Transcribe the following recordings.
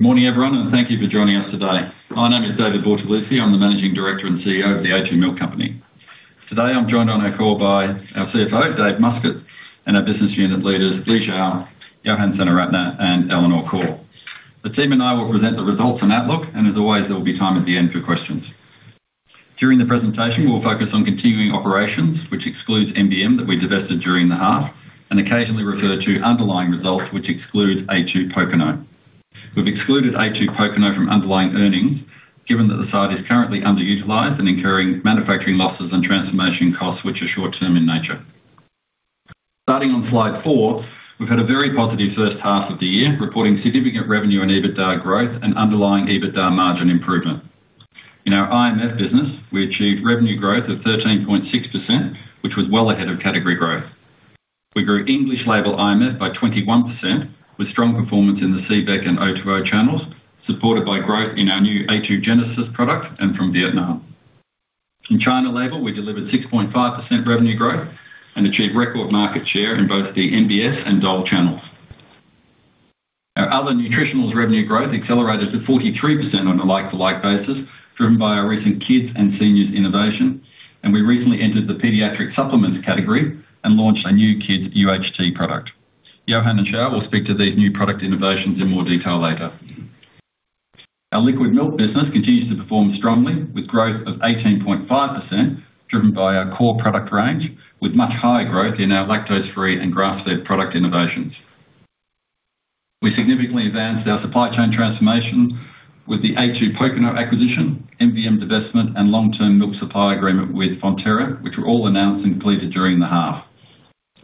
Morning, everyone, and thank you for joining us today. My name is David Bortolussi. I'm the Managing Director and CEO of The a2 Milk Company. Today, I'm joined on our call by our CFO, Dave Muscat, and our Business Unit Leaders, Li Xiao, Yohan Senaratne, and Eleanor Khor. The team and I will present the results and outlook, and as always, there will be time at the end for questions. During the presentation, we'll focus on continuing operations, which excludes MVM, that we divested during the half, and occasionally refer to underlying results, which excludes a2 Pōkeno. We've excluded a2 Pōkeno from underlying earnings, given that the site is currently underutilized and incurring manufacturing losses and transformation costs, which are short-term in nature. Starting on slide four, we've had a very positive first half of the year, reporting significant revenue and EBITDA growth and underlying EBITDA margin improvement. In our IMF business, we achieved revenue growth of 13.6%, which was well ahead of category growth. We grew English label IMF by 21%, with strong performance in the CBEC and O2O channels, supported by growth in our new a2 Genesis product and from Vietnam. In China label, we delivered 6.5% revenue growth and achieved record market share in both the MBS and DOL channels. Our other nutritionals revenue growth accelerated to 43% on a like-for-like basis, driven by our recent Kids and Seniors innovation, and we recently entered the pediatric supplements category and launched a new Kids UHT product. Yohan and Xiao will speak to these new product innovations in more detail later. Our liquid milk business continues to perform strongly, with growth of 18.5%, driven by our core product range, with much higher growth in our lactose-free and grass-fed product innovations. We significantly advanced our supply chain transformation with the a2 Pōkeno acquisition, MVM divestment, and long-term milk supply agreement with Fonterra, which were all announced and completed during the half.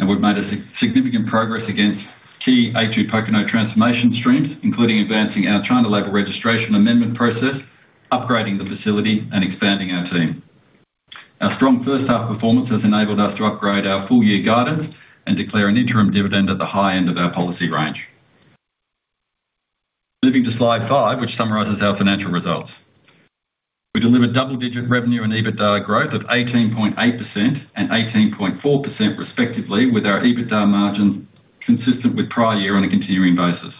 We've made a significant progress against key a2 Pōkeno transformation streams, including advancing our China label registration amendment process, upgrading the facility, and expanding our team. Our strong first-half performance has enabled us to upgrade our full-year guidance and declare an interim dividend at the high end of our policy range. Moving to slide 5, which summarizes our financial results. We delivered double-digit revenue and EBITDA growth of 18.8% and 18.4%, respectively, with our EBITDA margin consistent with prior year on a continuing basis.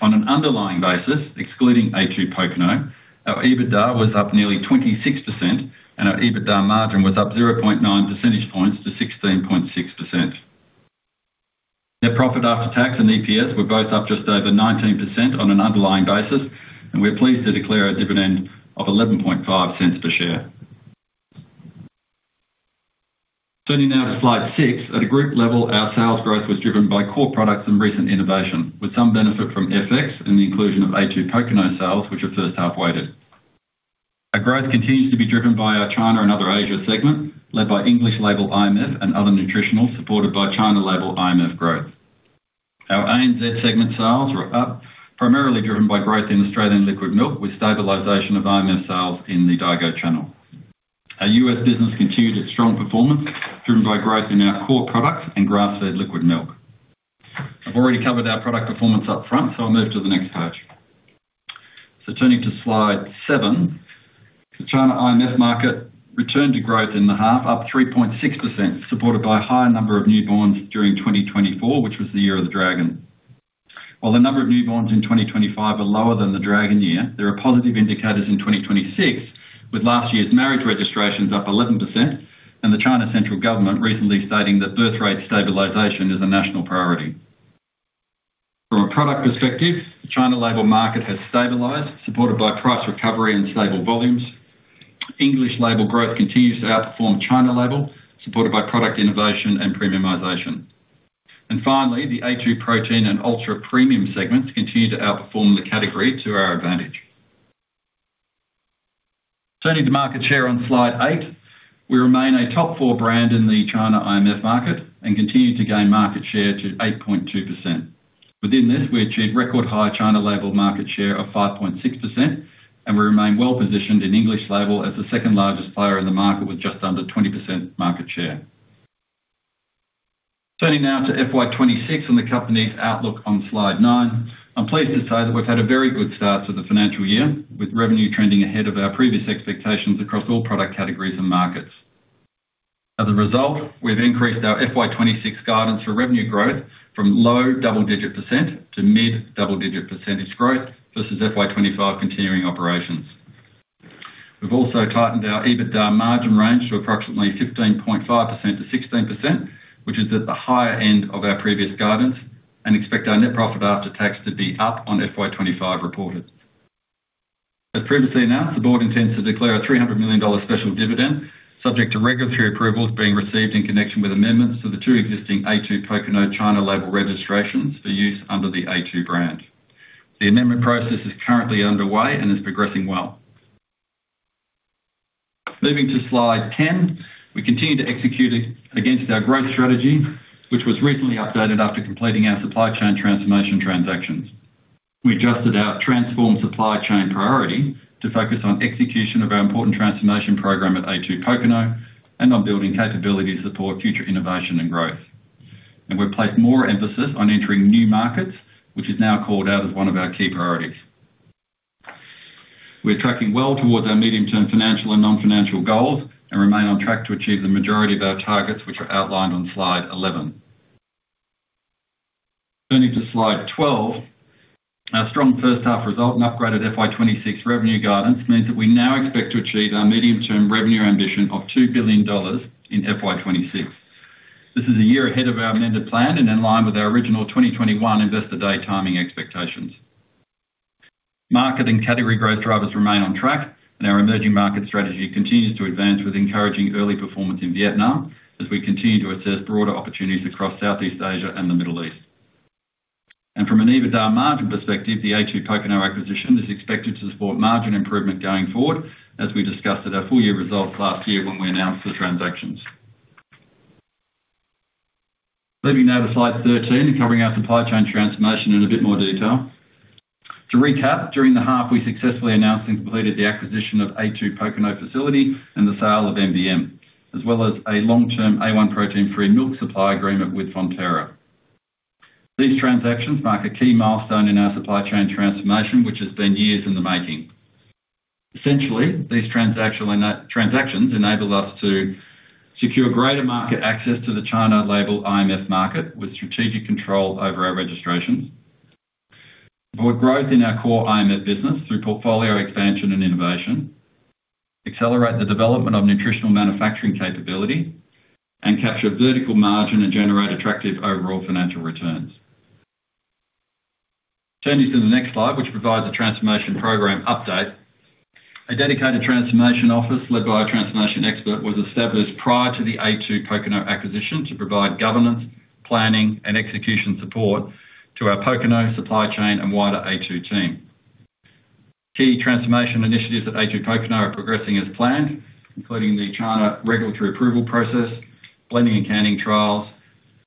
On an underlying basis, excluding a2 Pōkeno, our EBITDA was up nearly 26%, and our EBITDA margin was up 0.9 percentage points to 16.6%. Net profit after tax and EPS were both up just over 19% on an underlying basis, and we're pleased to declare a dividend of 0.115 per share. Turning now to slide 6. At a group level, our sales growth was driven by core products and recent innovation, with some benefit from FX and the inclusion of a2 Pōkeno sales, which are first half-weighted. Our growth continues to be driven by our China and other Asia segment, led by English label IMF and other nutritionals, supported by China label IMF growth. Our ANZ segment sales were up, primarily driven by growth in Australian liquid milk, with stabilization of IMF sales in the Daigou channel. Our U.S. business continued its strong performance, driven by growth in our core products and grass-fed liquid milk. I've already covered our product performance up front, so I'll move to the next page. So turning to slide 7, the China IMF market returned to growth in the half, up 3.6%, supported by a higher number of newborns during 2024, which was the year of the Dragon. While the number of newborns in 2025 are lower than the Dragon year, there are positive indicators in 2026, with last year's marriage registrations up 11% and the China central government recently stating that birth rate stabilization is a national priority. From a product perspective, the China label market has stabilized, supported by price recovery and stable volumes. English label growth continues to outperform China label, supported by product innovation and premiumization. And finally, the A2 protein and ultra-premium segments continue to outperform the category to our advantage. Turning to market share on slide 8. We remain a top four brand in the China IMF market and continue to gain market share to 8.2%. Within this, we achieved record-high China label market share of 5.6%, and we remain well-positioned in English label as the second-largest player in the market, with just under 20% market share. Turning now to FY 2026 and the company's outlook on slide 9. I'm pleased to say that we've had a very good start to the financial year, with revenue trending ahead of our previous expectations across all product categories and markets. As a result, we've increased our FY 2026 guidance for revenue growth from low double-digit % to mid double-digit % growth versus FY 2025 continuing operations. We've also tightened our EBITDA margin range to approximately 15.5%-16%, which is at the higher end of our previous guidance, and expect our net profit after tax to be up on FY 2025 reported. As previously announced, the board intends to declare a 300 million dollar special dividend, subject to regulatory approvals being received in connection with amendments to the 2 existing a2 Pōkeno China label registrations for use under the a2 brand. The amendment process is currently underway and is progressing well. Moving to slide 10. We continue to execute against our growth strategy, which was recently updated after completing our supply chain transformation transactions. We adjusted our transformed supply chain priority to focus on execution of our important transformation program at a2 Pōkeno and on building capability to support future innovation and growth. We've placed more emphasis on entering new markets, which is now called out as one of our key priorities.... We're tracking well towards our medium-term financial and non-financial goals, and remain on track to achieve the majority of our targets, which are outlined on Slide 11. Turning to slide 12, our strong first half result and upgraded FY 2026 revenue guidance means that we now expect to achieve our medium-term revenue ambition of 2 billion dollars in FY 2026. This is a year ahead of our amended plan and in line with our original 2021 Investor Day timing expectations. Market and category growth drivers remain on track, and our emerging market strategy continues to advance with encouraging early performance in Vietnam as we continue to assess broader opportunities across Southeast Asia and the Middle East. And from an EBITDA margin perspective, the a2 Pōkeno acquisition is expected to support margin improvement going forward, as we discussed at our full year results last year when we announced the transactions. Moving now to slide 13, and covering our supply chain transformation in a bit more detail. To recap, during the half, we successfully announced and completed the acquisition of a2 Pōkeno facility and the sale of MVM, as well as a long-term A1 protein-free milk supply agreement with Fonterra. These transactions mark a key milestone in our supply chain transformation, which has been years in the making. Essentially, these transactional, transactions enabled us to secure greater market access to the China label IMF market, with strategic control over our registrations, for growth in our core IMF business through portfolio expansion and innovation, accelerate the development of nutritional manufacturing capability, and capture vertical margin and generate attractive overall financial returns. Turning to the next slide, which provides a transformation program update. A dedicated transformation office, led by a transformation expert, was established prior to the a2 Pōkeno acquisition to provide governance, planning, and execution support to our Pōkeno supply chain and wider a2 team. Key transformation initiatives at a2 Pōkeno are progressing as planned, including the China regulatory approval process, blending and canning trials,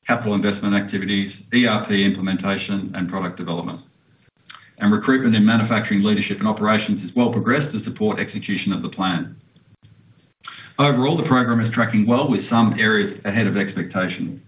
capital investment activities, ERP implementation, and product development. Recruitment in manufacturing, leadership and operations is well progressed to support execution of the plan. Overall, the program is tracking well with some areas ahead of expectation.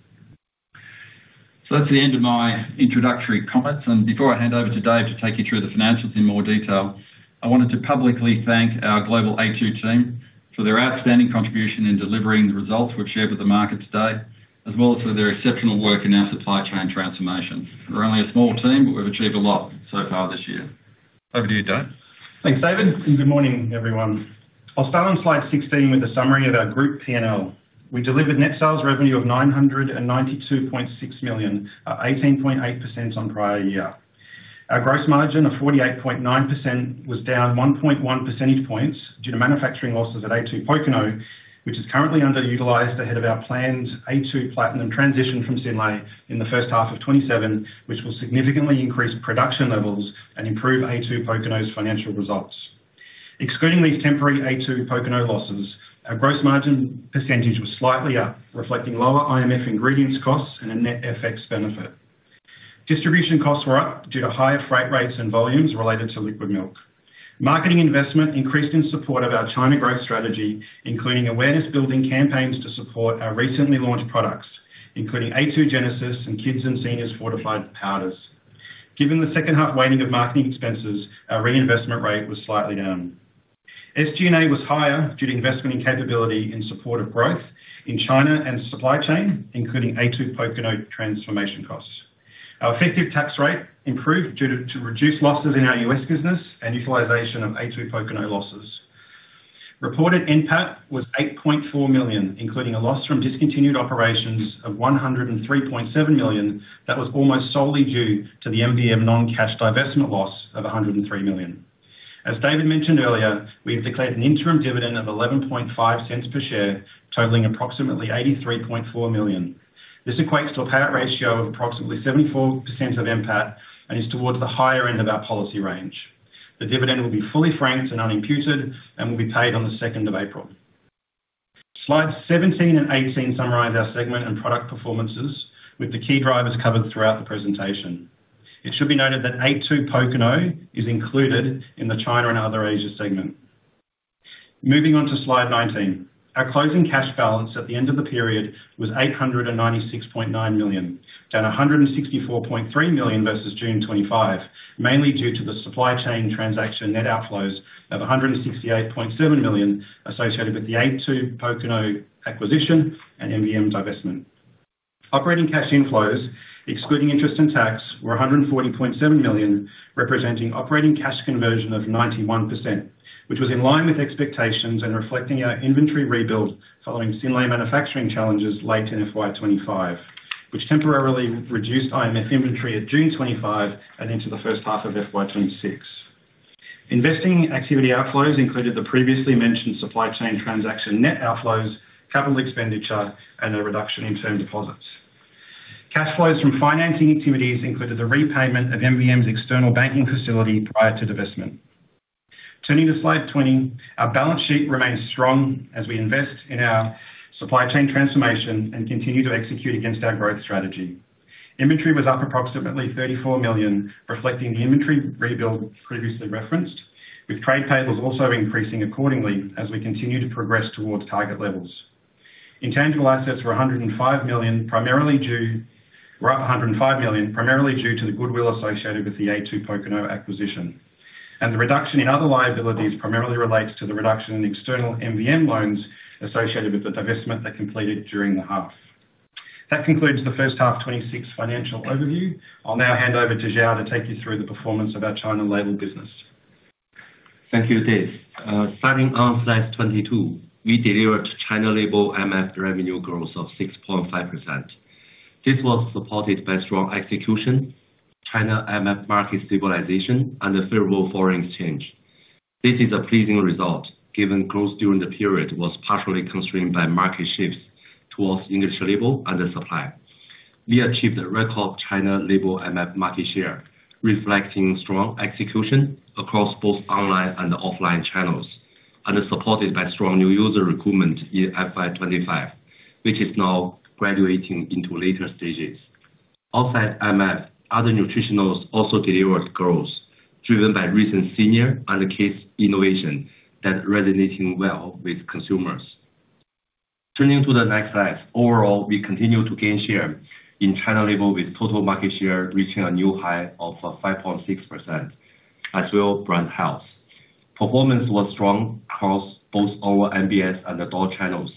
That's the end of my introductory comments, and before I hand over to Dave to take you through the financials in more detail, I wanted to publicly thank our Global a2 Team for their outstanding contribution in delivering the results we've shared with the market today, as well as for their exceptional work in our supply chain transformation. We're only a small team, but we've achieved a lot so far this year. Over to you, Dave. Thanks, David, and good morning, everyone. I'll start on slide 16 with a summary of our group P&L. We delivered net sales revenue of 992.6 million, 18.8% on prior year. Our gross margin of 48.9% was down 1.1 percentage points due to manufacturing losses at a2 Pōkeno, which is currently underutilized ahead of our planned a2 Platinum transition from Synlait in the first half of 2027, which will significantly increase production levels and improve a2 Pōkeno's financial results. Excluding these temporary a2 Pōkeno losses, our gross margin percentage was slightly up, reflecting lower IMF ingredients costs and a net FX benefit. Distribution costs were up due to higher freight rates and volumes related to liquid milk. Marketing investment increased in support of our China growth strategy, including awareness-building campaigns to support our recently launched products, including a2 Genesis and Kids and Seniors fortified powders. Given the second half weighting of marketing expenses, our reinvestment rate was slightly down. SG&A was higher due to investment in capability in support of growth in China and supply chain, including a2 Pōkeno transformation costs. Our effective tax rate improved due to reduced losses in our US business and utilization of a2 Pōkeno losses. Reported NPAT was 8.4 million, including a loss from discontinued operations of 103.7 million. That was almost solely due to the MVM non-cash divestment loss of 103 million. As David mentioned earlier, we've declared an interim dividend of $11.5 per share, totaling approximately 83.4 million. This equates to a payout ratio of approximately 74% of NPAT, and is towards the higher end of our policy range. The dividend will be fully franked and unimputed and will be paid on the second of April. Slides 17 and 18 summarize our segment and product performances, with the key drivers covered throughout the presentation. It should be noted that a2 Pōkeno is included in the China and other Asia segment. Moving on to slide 19. Our closing cash balance at the end of the period was 896.9 million, down 164.3 million versus June 2025, mainly due to the supply chain transaction net outflows of 168.7 million associated with the a2 Pōkeno acquisition and MVM divestment. Operating cash inflows, excluding interest and tax, were 140.7 million, representing operating cash conversion of 91%, which was in line with expectations and reflecting our inventory rebuild following Synlait manufacturing challenges late in FY 2025, which temporarily reduced IMF inventory at June 2025 and into the Q1 of FY 2026. Investing activity outflows included the previously mentioned supply chain transaction net outflows, capital expenditure, and a reduction in term deposits. Cash flows from financing activities included the repayment of MVM's external banking facility prior to divestment. Turning to slide 20, our balance sheet remains strong as we invest in our supply chain transformation and continue to execute against our growth strategy. Inventory was up approximately 34 million, reflecting the inventory rebuild previously referenced, with trade payables also increasing accordingly as we continue to progress towards target levels. Intangible assets were 105 million, primarily due to the goodwill associated with the a2 Pōkeno acquisition. The reduction in other liabilities primarily relates to the reduction in external MVM loans associated with the divestment they completed during the half. That concludes the Q1 2026 financial overview. I'll now hand over to Xiao to take you through the performance of our China label business. Thank you, Dave. Starting on slide 22, we delivered China label IMF revenue growth of 6.5%. This was supported by strong execution, China IMF market stabilization, and the favorable foreign exchange. This is a pleasing result, given growth during the period was partially constrained by market shifts towards English label and the supply. We achieved a record China label IMF market share, reflecting strong execution across both online and offline channels, and is supported by strong new user recruitment in FY 2025, which is now graduating into later stages. Outside IMF, other nutritionals also delivered growth, driven by recent senior and the kids innovation that's resonating well with consumers. Turning to the next slide. Overall, we continue to gain share in China label, with total market share reaching a new high of 5.6%, as well brand health. Performance was strong across both our MBS and the DOL channels,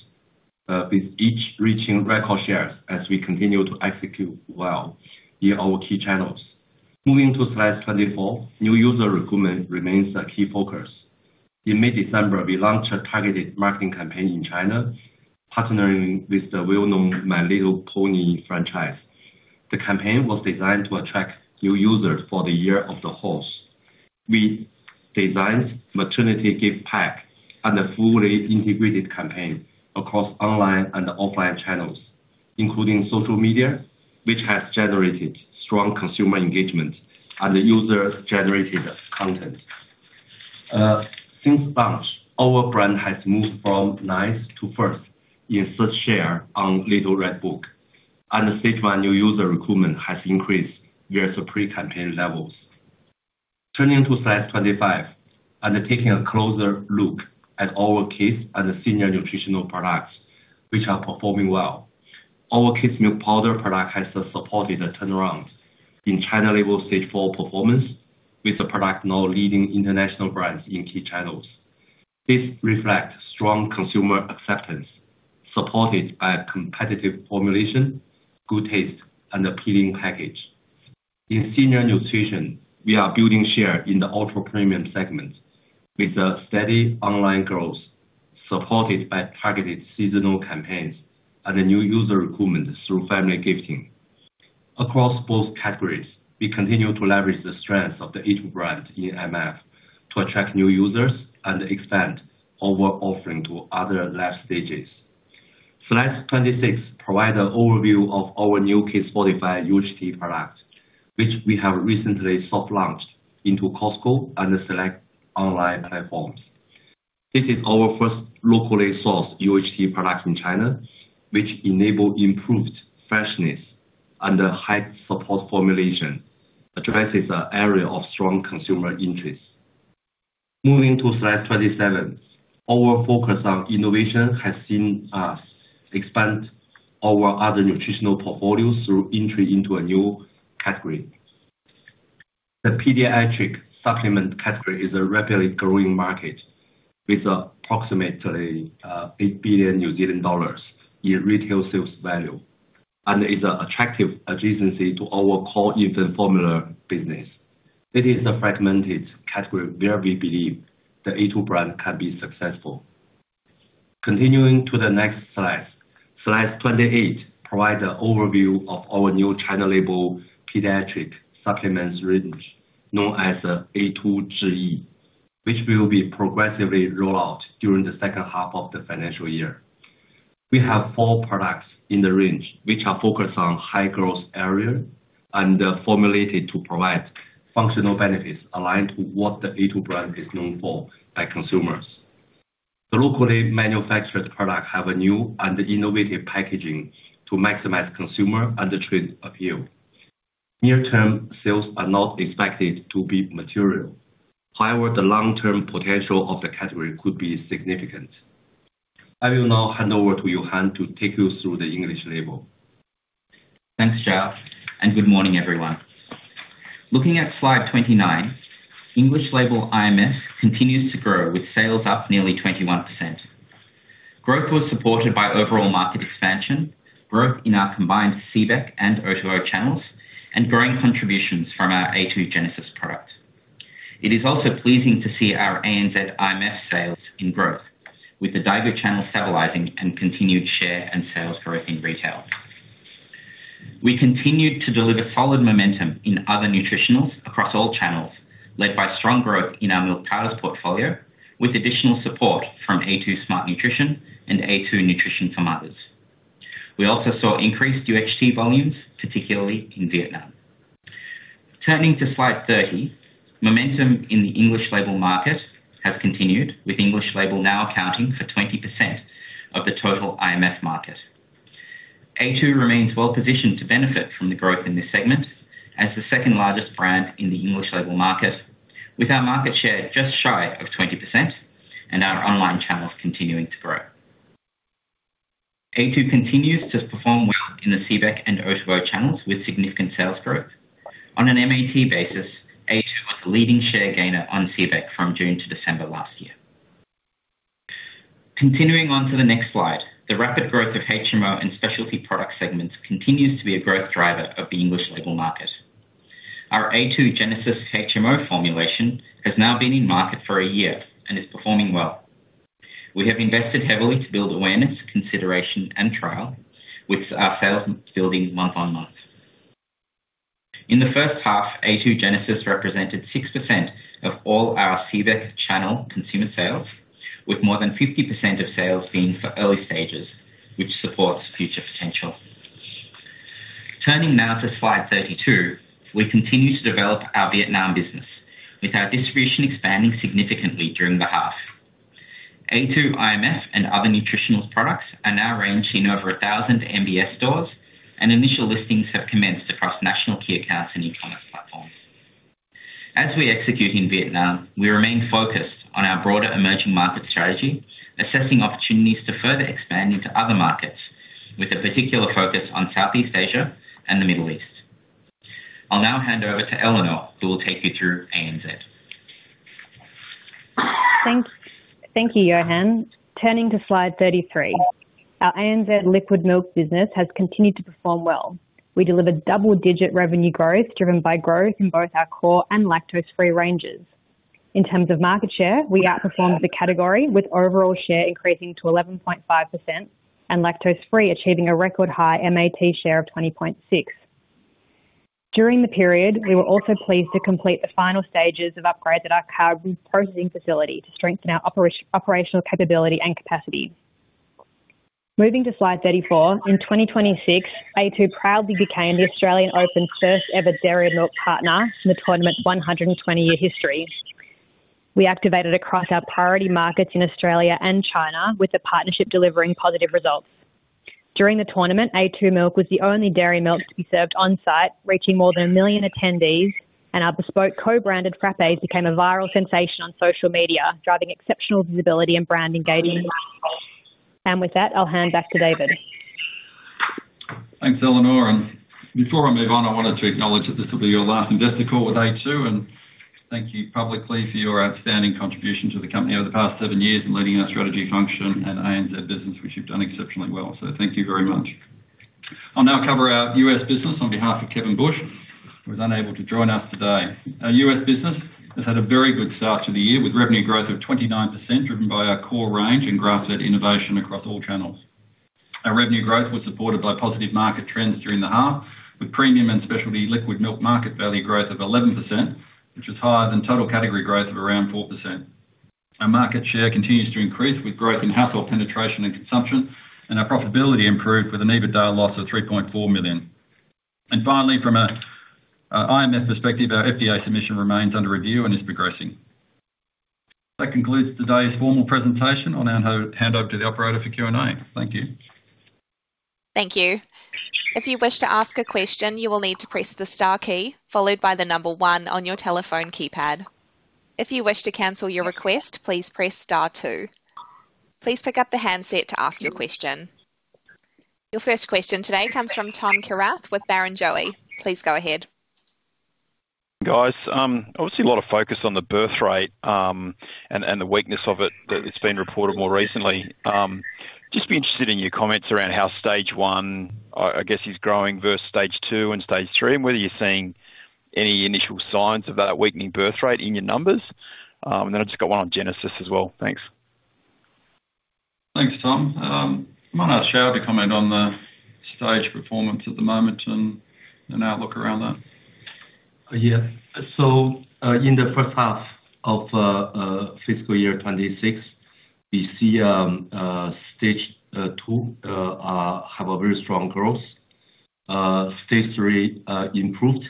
with each reaching record shares as we continue to execute well in our key channels. Moving to slide 24, new user recruitment remains a key focus. In mid-December, we launched a targeted marketing campaign in China, partnering with the well-known My Little Pony franchise. The campaign was designed to attract new users for the Year of the Horse. We designed maternity gift pack and a fully integrated campaign across online and offline channels, including social media, which has generated strong consumer engagement and user-generated content. Since launch, our brand has moved from ninth to first in search share on Little Red Book, and the stage one new user recruitment has increased versus pre-campaign levels. Turning to slide 25, and taking a closer look at our kids and the senior nutritional products, which are performing well. Our kids' milk powder product has supported a turnaround in China label stage 4 performance, with the product now leading international brands in key channels. This reflects strong consumer acceptance, supported by a competitive formulation, good taste, and appealing package. In senior nutrition, we are building share in the ultra-premium segment, with a steady online growth, supported by targeted seasonal campaigns and a new user recruitment through family gifting. Across both categories, we continue to leverage the strength of the a2 brand in IMF to attract new users and expand our offering to other life stages. Slide 26 provides an overview of our new case modified UHT product, which we have recently soft launched into Costco and select online platforms. This is our first locally sourced UHT product in China, which enables improved freshness and a high support formulation, addresses the area of strong consumer interest. Moving to slide 27, our focus on innovation has seen us expand our other nutritional portfolios through entry into a new category. The pediatric supplement category is a rapidly growing market with approximately 8 billion New Zealand dollars in retail sales value, and is an attractive adjacency to our core infant formula business. It is a fragmented category where we believe the a2 brand can be successful. Continuing to the next slide. Slide 28 provide an overview of our new China label pediatric supplements range, known as a2 Zhichu, which will be progressively rolled out during the second half of the financial year. We have four products in the range, which are focused on high-growth area and are formulated to provide functional benefits aligned with what the a2 brand is known for by consumers. The locally manufactured products have a new and innovative packaging to maximize consumer and trade appeal. Near-term, sales are not expected to be material. However, the long-term potential of the category could be significant. I will now hand over to Yohan to take you through the English label. Thanks, Xiao, and good morning, everyone. Looking at slide 29, English label IMF continues to grow, with sales up nearly 21%. Growth was supported by overall market expansion, growth in our combined CBEC and O2O channels, and growing contributions from our a2 Genesis product. It is also pleasing to see our ANZ IMF sales in growth, with the Daigou channel stabilizing and continued share and sales growth in retail. We continued to deliver solid momentum in other nutritionals across all channels, led by strong growth in our milk powders portfolio, with additional support from a2 Smart Nutrition and a2 Nutrition for Mothers. We also saw increased UHT volumes, particularly in Vietnam. Turning to slide 30, momentum in the English label market has continued, with English label now accounting for 20% of the total IMF market.... A2 remains well positioned to benefit from the growth in this segment as the second largest brand in the English label market, with our market share just shy of 20% and our online channels continuing to grow. A2 continues to perform well in the CBEC and O2O channels, with significant sales growth. On an MAT basis, A2 was the leading share gainer on CBEC from June to December last year. Continuing on to the next slide, the rapid growth of HMO and specialty product segments continues to be a growth driver of the English label market. Our A2 Genesis HMO formulation has now been in market for a year and is performing well. We have invested heavily to build awareness, consideration, and trial, with our sales building month on month. In the H1, a2 Genesis represented 6% of all our CBEC channel consumer sales, with more than 50% of sales being for early stages, which supports future potential. Turning now to slide 32. We continue to develop our Vietnam business, with our distribution expanding significantly during the half. a2 IMF and other nutritional products are now ranging over 1,000 MBS stores, and initial listings have commenced across national key accounts and e-commerce platforms. As we execute in Vietnam, we remain focused on our broader emerging market strategy, assessing opportunities to further expand into other markets, with a particular focus on Southeast Asia and the Middle East. I'll now hand over to Eleanor, who will take you through ANZ. Thank you, Yohan. Turning to slide 33. Our ANZ liquid milk business has continued to perform well. We delivered double-digit revenue growth, driven by growth in both our core and lactose-free ranges. In terms of market share, we outperformed the category, with overall share increasing to 11.5% and lactose-free, achieving a record high MAT share of 20.6%. During the period, we were also pleased to complete the final stages of upgrade to our current processing facility to strengthen our operational capability and capacity. Moving to slide 34, in 2026, a2 proudly became the Australian Open's first-ever dairy milk partner in the tournament's 120-year history. We activated across our priority markets in Australia and China, with the partnership delivering positive results. During the tournament, a2 Milk was the only dairy milk to be served on-site, reaching more than 1 million attendees, and our bespoke co-branded frappes became a viral sensation on social media, driving exceptional visibility and brand engagement. And with that, I'll hand back to David. Thanks, Eleanor. Before I move on, I wanted to acknowledge that this will be your last investor call with A2, and thank you publicly for your outstanding contribution to the company over the past seven years in leading our strategy function and ANZ business, which you've done exceptionally well. Thank you very much. I'll now cover our U.S. business on behalf of Kevin Bush, who was unable to join us today. Our U.S. business has had a very good start to the year, with revenue growth of 29%, driven by our core range and grass-fed innovation across all channels. Our revenue growth was supported by positive market trends during the half, with premium and specialty liquid milk market value growth of 11%, which is higher than total category growth of around 4%. Our market share continues to increase, with growth in household penetration and consumption, and our profitability improved with an EBITDA loss of 3.4 million. Finally, from an IMF perspective, our FDA submission remains under review and is progressing. That concludes today's formal presentation. I'll now hand over to the operator for Q&A. Thank you. Thank you. If you wish to ask a question, you will need to press the star key followed by the number one on your telephone keypad. If you wish to cancel your request, please press star two. Please pick up the handset to ask your question. Your first question today comes from Thomas Kierath with Barrenjoey. Please go ahead. Guys, obviously a lot of focus on the birth rate, and the weakness of it, that it's been reported more recently. Just be interested in your comments around how stage one, I guess, is growing versus stage two and stage three, and whether you're seeing any initial signs of that weakening birth rate in your numbers. And then I've just got one on Genesis as well. Thanks. Thanks, Tom. I'm going to ask Xiao to comment on the stage performance at the moment and an outlook around that. Yeah. So, in the H1 of FY 2026, we see stage 2 have a very strong growth. Stage 3 improved,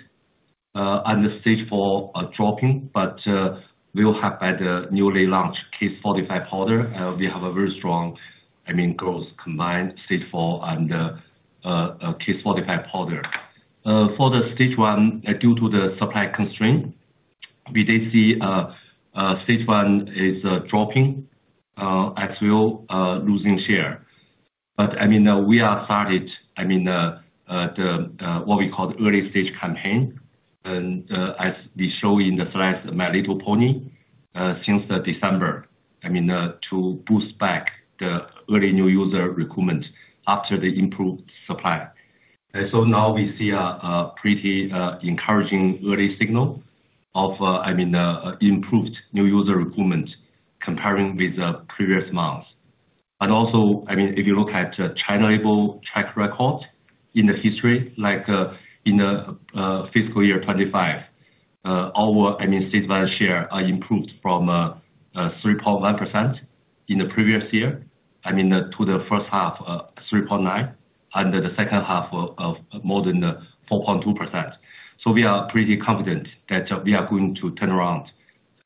and the stage 4 are dropping, but we'll have at the newly launched Kids fortified powder. We have a very strong, I mean, growth combined stage 4 and Kids fortified powder. For the stage 1, due to the supply constraint, we did see stage 1 is dropping as well, losing share. But, I mean, we are started, I mean, the what we call the early stage campaign, and as we show in the slide, My Little Pony since December, I mean, to boost back the early new user recruitment after the improved supply. And so now we see a pretty encouraging early signal of I mean the improved new user recruitment comparing with the previous months. And also I mean if you look at China label track record in the history like in the FY 2025 our I mean stage value share improved from 3.1% in the previous year I mean to the first half 3.9% and the second half of more than 4.2%. So we are pretty confident that we are going to turn around....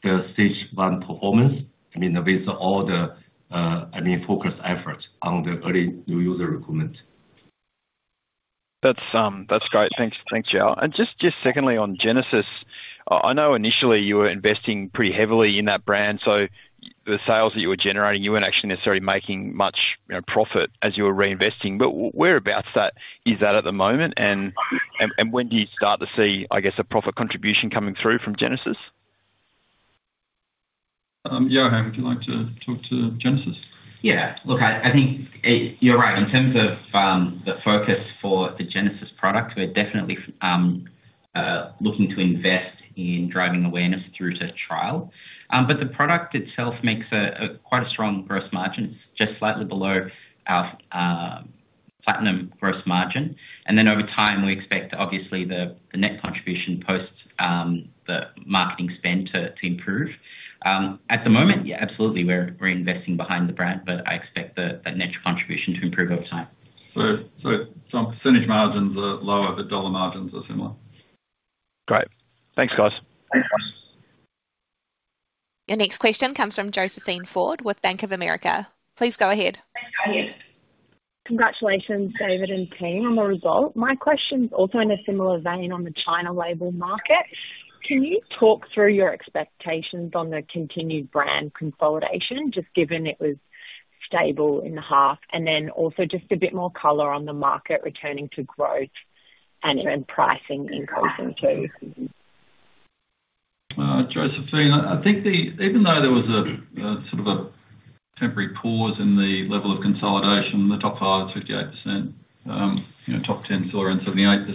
the Stage 1 performance and innovates all the, I mean, focus efforts on the early new user recruitment. That's great. Thanks. Thanks, Xiao. And just secondly, on Genesis, I know initially you were investing pretty heavily in that brand, so the sales that you were generating, you weren't actually necessarily making much, you know, profit as you were reinvesting. But whereabouts is that at the moment? And when do you start to see, I guess, a profit contribution coming through from Genesis? Yohan, would you like to talk to Genesis? Yeah. Look, I think you're right. In terms of the focus for the Genesis product, we're definitely looking to invest in driving awareness through to trial. But the product itself makes a quite strong gross margin, just slightly below our Platinum gross margin. And then over time, we expect, obviously, the net contribution posts the marketing spend to improve. At the moment, yeah, absolutely, we're investing behind the brand, but I expect the net contribution to improve over time. So, some percentage margins are lower, but dollar margins are similar. Great. Thanks, guys. Thanks, guys. Your next question comes from Josephine Forde with Bank of America. Please go ahead. Congratulations, David and team, on the result. My question is also in a similar vein on the China label market. Can you talk through your expectations on the continued brand consolidation, just given it was stable in the half, and then also just a bit more color on the market returning to growth and in pricing in coming through? Josephine, I think the... Even though there was a sort of temporary pause in the level of consolidation, the top five, 58%, you know, top ten, still around 78%.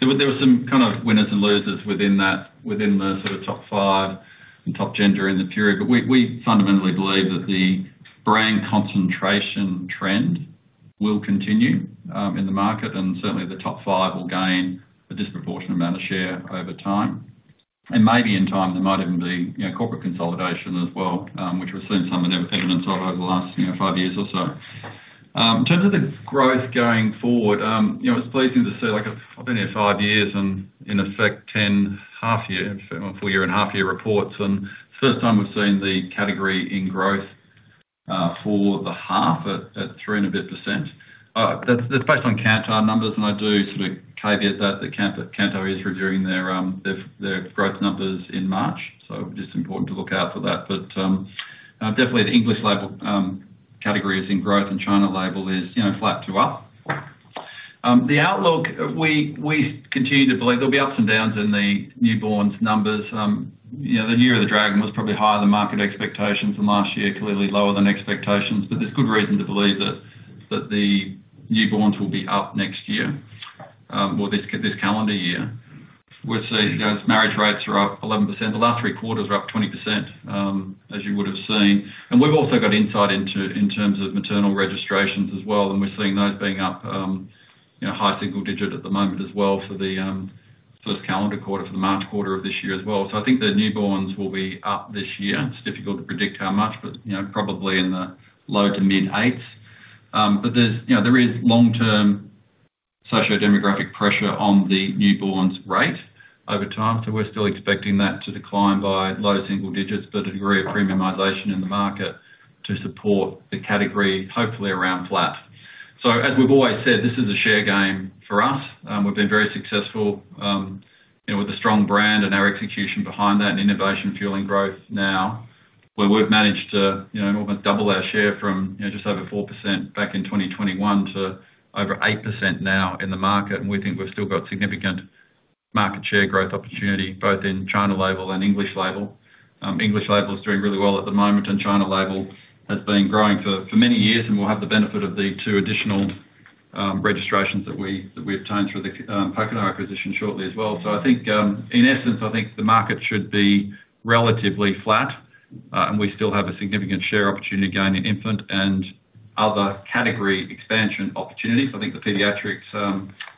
There were some kind of winners and losers within that, within the sort of top five and top ten in the period. But we fundamentally believe that the brand concentration trend will continue in the market, and certainly the top five will gain a disproportionate amount of share over time. And maybe in time, there might even be, you know, corporate consolidation as well, which we've seen some of the evidence of over the last, you know, 5 years or so. In terms of the growth going forward, you know, it's pleasing to see, like, I've been here 5 years and in effect, 10 half year, 4 year and half year reports, and first time we've seen the category in growth for the half at 3 and a bit%. That's based on Kantar numbers, and I do sort of caveat that the Kantar is reviewing their growth numbers in March, so just important to look out for that. But definitely the English label category is in growth, and China label is, you know, flat to up. You know, the outlook, we continue to believe there'll be ups and downs in the newborns numbers. You know, the Year of the Dragon was probably higher than market expectations, and last year, clearly lower than expectations. But there's good reason to believe that, that the newborns will be up next year, or this calendar year. We're seeing, you know, as marriage rates are up 11%, the last three quarters are up 20%, as you would have seen. And we've also got insight into in terms of maternal registrations as well, and we're seeing those being up, you know, high single digit at the moment as well for the, first calendar quarter, for the March quarter of this year as well. So I think the newborns will be up this year. It's difficult to predict how much, but, you know, probably in the low to mid-eights. But there's, you know, there is long-term socio-demographic pressure on the newborns rate over time, so we're still expecting that to decline by low single digits, but a degree of premiumization in the market to support the category, hopefully around flat. So as we've always said, this is a share game for us. We've been very successful, you know, with a strong brand and our execution behind that and innovation fueling growth now, where we've managed to, you know, almost double our share from, you know, just over 4% back in 2021 to over 8% now in the market. And we think we've still got significant market share growth opportunity both in China label and English label. English label is doing really well at the moment, and China label has been growing for many years and will have the benefit of the two additional registrations that we obtained through the Pōkeno acquisition shortly as well. So I think, in essence, I think the market should be relatively flat, and we still have a significant share opportunity to gain in infant and other category expansion opportunities. I think the pediatric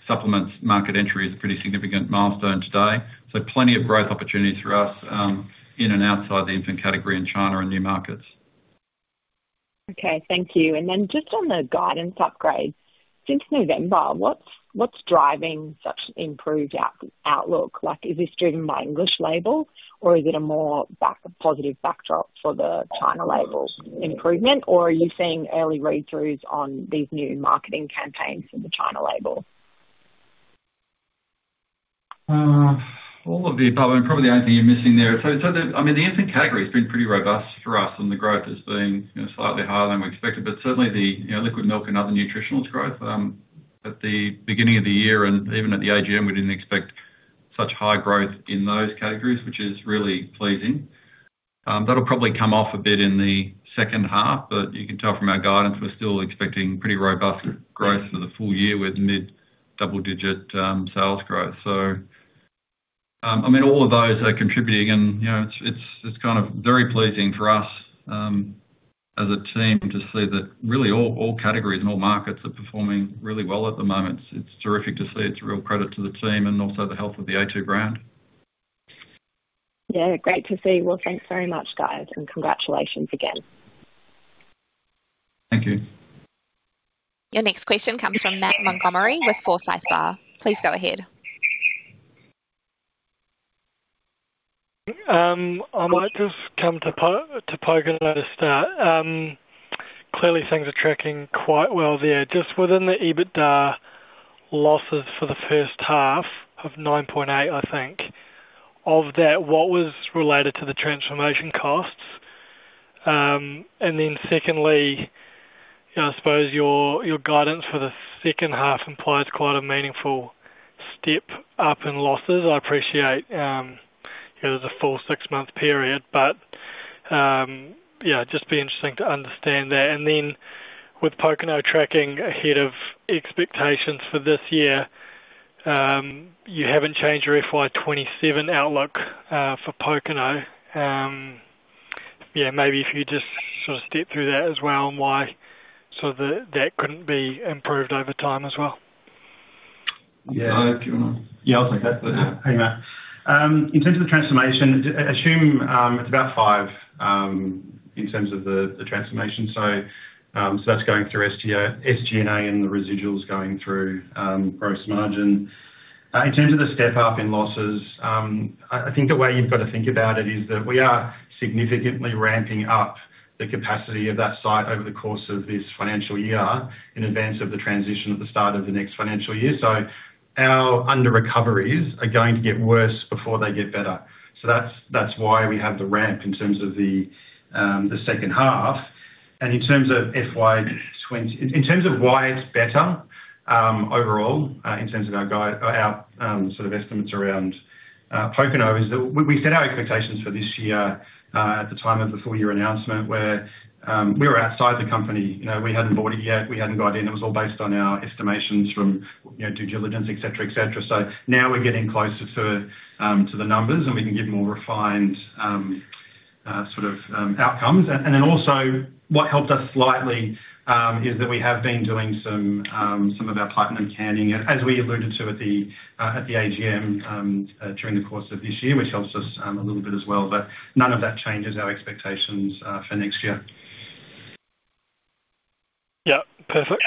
supplements market entry is a pretty significant milestone today, so plenty of growth opportunities for us in and outside the infant category in China and new markets. Okay, thank you. And then just on the guidance upgrade. Since November, what's driving such improved outlook? Like, is this driven by English label or is it a more positive backdrop for the China label improvement, or are you seeing early read-throughs on these new marketing campaigns in the China label? All of the above, and probably the only thing you're missing there... So the, I mean, the infant category has been pretty robust for us, and the growth has been, you know, slightly higher than we expected, but certainly the you know liquid milk and other nutritionals growth at the beginning of the year and even at the AGM, we didn't expect such high growth in those categories, which is really pleasing. That'll probably come off a bit in the second half, but you can tell from our guidance, we're still expecting pretty robust growth for the full year with mid-double-digit sales growth. So, I mean, all of those are contributing and, you know, it's kind of very pleasing for us as a team to see that really all categories and all markets are performing really well at the moment. It's terrific to see. It's a real credit to the team and also the health of the a2 brand. Yeah, great to see. Well, thanks very much, guys, and congratulations again.... Thank you. Your next question comes from Matt Montgomerie with Forsyth Barr. Please go ahead. I might just come to Pōkeno to start. Clearly, things are tracking quite well there. Just within the EBITDA losses for the H1 of 9.8, I think. Of that, what was related to the transformation costs? And then secondly, I suppose your guidance for the second half implies quite a meaningful step up in losses. I appreciate it is a full six-month period, but yeah, it'd just be interesting to understand that. And then with Pōkeno tracking ahead of expectations for this year, you haven't changed your FY 2027 outlook for Pōkeno. Yeah, maybe if you just sort of step through that as well, and why that couldn't be improved over time as well. Yeah. Do you wanna- Yeah, I'll take that. In terms of the transformation, assume it's about five, in terms of the transformation. So, so that's going through SG&A and the residuals going through gross margin. In terms of the step-up in losses, I think the way you've got to think about it is that we are significantly ramping up the capacity of that site over the course of this financial year in advance of the transition at the start of the next financial year. So our underrecoveries are going to get worse before they get better. So that's why we have the ramp in terms of the second half. And in terms of FY twenty... In terms of why it's better, overall, in terms of our guide, our sort of estimates around Pōkeno, is that we set our expectations for this year, at the time of the full year announcement, where we were outside the company, you know, we hadn't bought it yet, we hadn't got in. It was all based on our estimations from, you know, due diligence, et cetera, et cetera. So now we're getting closer to the numbers, and we can give more refined sort of outcomes. And then also what helps us slightly is that we have been doing some of our platinum canning, as we alluded to at the AGM, during the course of this year, which helps us a little bit as well, but none of that changes our expectations for next year. Yeah, perfect.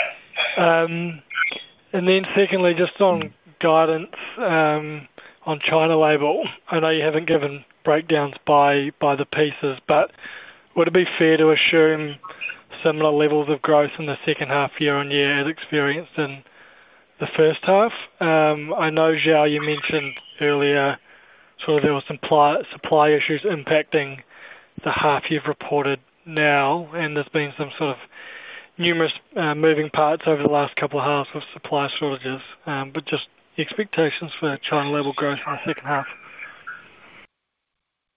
And then secondly, just on guidance, on China label, I know you haven't given breakdowns by, by the pieces, but would it be fair to assume similar levels of growth in the H2 year-on-year as experienced in the first half? I know, Xiao, you mentioned earlier, sort of there were some supply issues impacting the half you've reported now, and there's been some sort of numerous moving parts over the last couple of halves of supply shortages. But just expectations for China label growth in the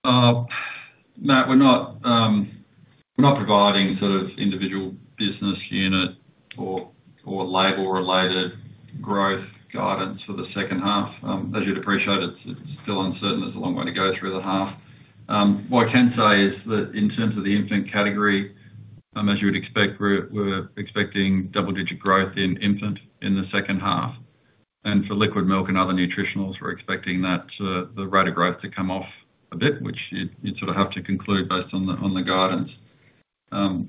H2. Matt, we're not providing sort of individual business unit or label-related growth guidance for the H2. As you'd appreciate, it's still uncertain. There's a long way to go through the half. What I can say is that in terms of the infant category, as you would expect, we're expecting double-digit growth in infant in the H2. For liquid milk and other nutritionals, we're expecting that the rate of growth to come off a bit, which you'd sort of have to conclude based on the guidance.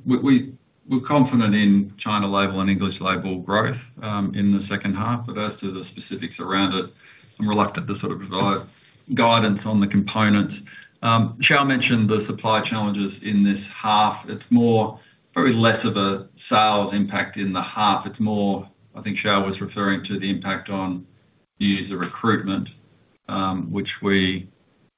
We're confident in China label and English label growth in the second half, but as to the specifics around it, I'm reluctant to sort of provide guidance on the components. Xiao mentioned the supply challenges in this half. It's more, probably less of a sales impact in the half. It's more, I think Xiao was referring to the impact on user recruitment, which we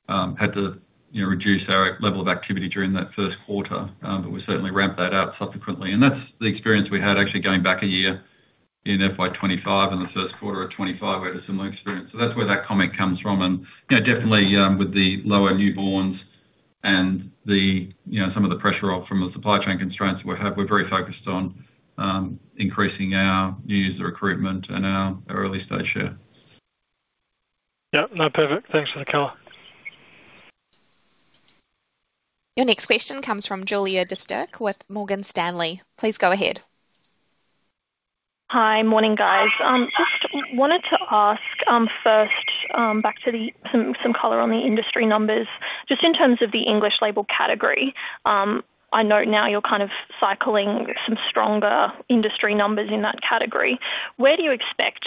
had to, you know, reduce our level of activity during that first quarter. But we certainly ramped that up subsequently, and that's the experience we had actually going back a year in FY 2025. In the Q1 of 2025, we had a similar experience. So that's where that comment comes from. And, you know, definitely, with the lower newborns and the, you know, some of the pressure off from the supply chain constraints, we're very focused on increasing our user recruitment and our early stage share. Yep. No, perfect. Thanks for the color. Your next question comes from Julia de Sterke with Morgan Stanley. Please go ahead. Hi. Morning, guys. Just wanted to ask, first, back to the, some color on the industry numbers. Just in terms of the English label category, I know now you're kind of cycling some stronger industry numbers in that category. Where do you expect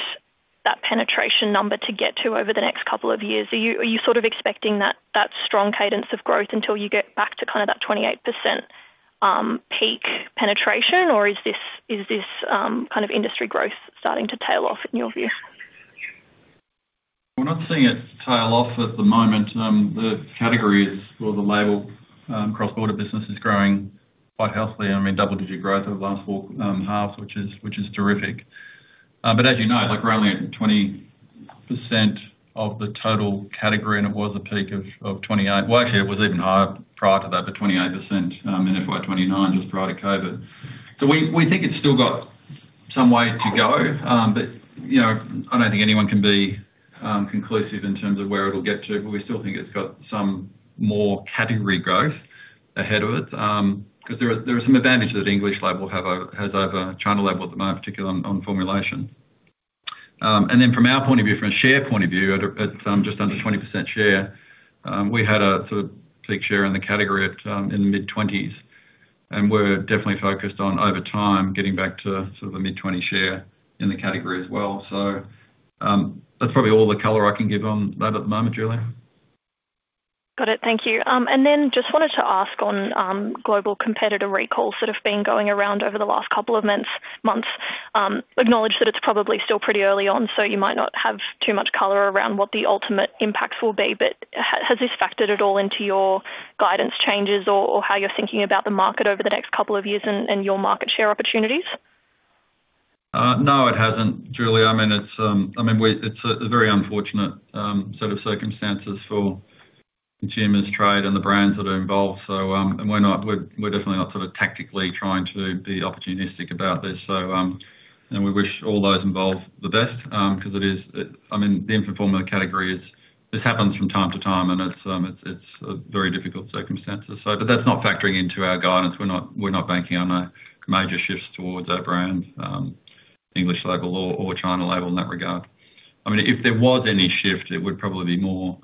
that penetration number to get to over the next couple of years? Are you sort of expecting that strong cadence of growth until you get back to kind of that 28% peak penetration, or is this kind of industry growth starting to tail off in your view? We're not seeing it tail off at the moment. The category is, or the label, cross-border business is growing quite healthily. I mean, double-digit growth over the last four halves, which is terrific. But as you know, we're only at 20% of the total category, and it was a peak of 28. Well, actually, it was even higher prior to that, the 28%, in FY 2019, just prior to COVID. So we think it's still got some way to go. But, you know, I don't think anyone can be conclusive in terms of where it'll get to, but we still think it's got some more category growth ahead of it. Because there are some advantages that English label has over China label at the moment, particularly on formulation.... And then from our point of view, from a share point of view, at just under 20% share, we had a sort of peak share in the category at in the mid-20s, and we're definitely focused on, over time, getting back to sort of the mid-20% share in the category as well. So, that's probably all the color I can give on that at the moment, Julia. Got it. Thank you. And then just wanted to ask on global competitor recalls that have been going around over the last couple of months. Acknowledge that it's probably still pretty early on, so you might not have too much color around what the ultimate impact will be, but has this factored at all into your guidance changes or how you're thinking about the market over the next couple of years and your market share opportunities? No, it hasn't, Julia. I mean, it's a very unfortunate set of circumstances for consumers, trade, and the brands that are involved. So, and we're not, we're definitely not sort of tactically trying to be opportunistic about this. So, and we wish all those involved the best, 'cause it is, it... I mean, the infant formula category is, this happens from time to time, and it's a very difficult circumstances. So, but that's not factoring into our guidance. We're not banking on a major shifts towards that brand, English label or China label in that regard. I mean, if there was any shift, it would probably be more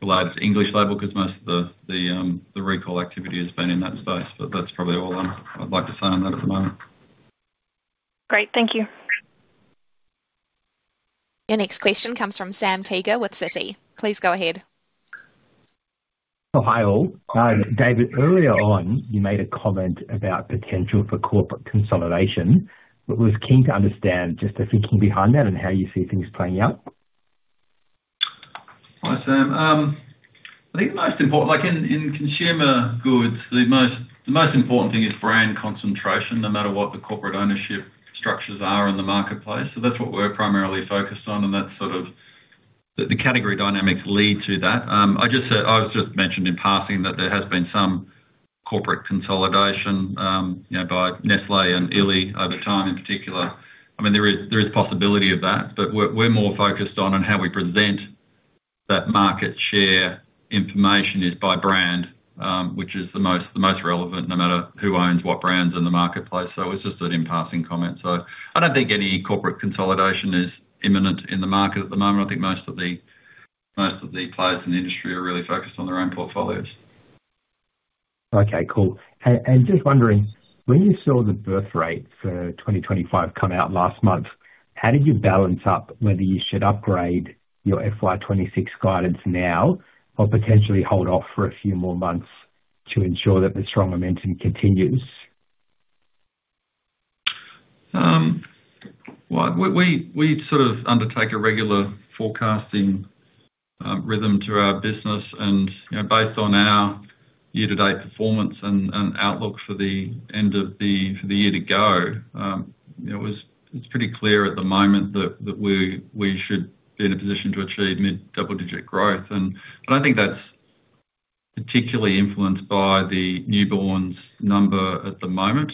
related to English label, because most of the recall activity has been in that space, but that's probably all I'd like to say on that at the moment. Great. Thank you. Your next question comes from Sam Teeger with Citi. Please go ahead. Oh, hi, all. David, earlier on, you made a comment about potential for corporate consolidation. But was keen to understand just the thinking behind that and how you see things playing out. Hi, Sam. I think the most important, like in consumer goods, the most important thing is brand concentration, no matter what the corporate ownership structures are in the marketplace. So that's what we're primarily focused on, and that's sort of the category dynamics lead to that. I just said, I was just mentioning in passing that there has been some corporate consolidation, you know, by Nestlé and Yili over time in particular. I mean, there is possibility of that, but we're more focused on how we present that market share information is by brand, which is the most relevant, no matter who owns what brands in the marketplace. So it's just a passing comment. So I don't think any corporate consolidation is imminent in the market at the moment. I think most of the players in the industry are really focused on their own portfolios. Okay, cool. And just wondering, when you saw the birth rate for 2025 come out last month, how did you balance up whether you should upgrade your FY 2026 guidance now or potentially hold off for a few more months to ensure that the strong momentum continues? Well, we sort of undertake a regular forecasting rhythm to our business and, you know, based on our year-to-date performance and outlook for the end of the year to go, you know, it's pretty clear at the moment that we should be in a position to achieve mid-double-digit growth. And I don't think that's particularly influenced by the newborns number at the moment,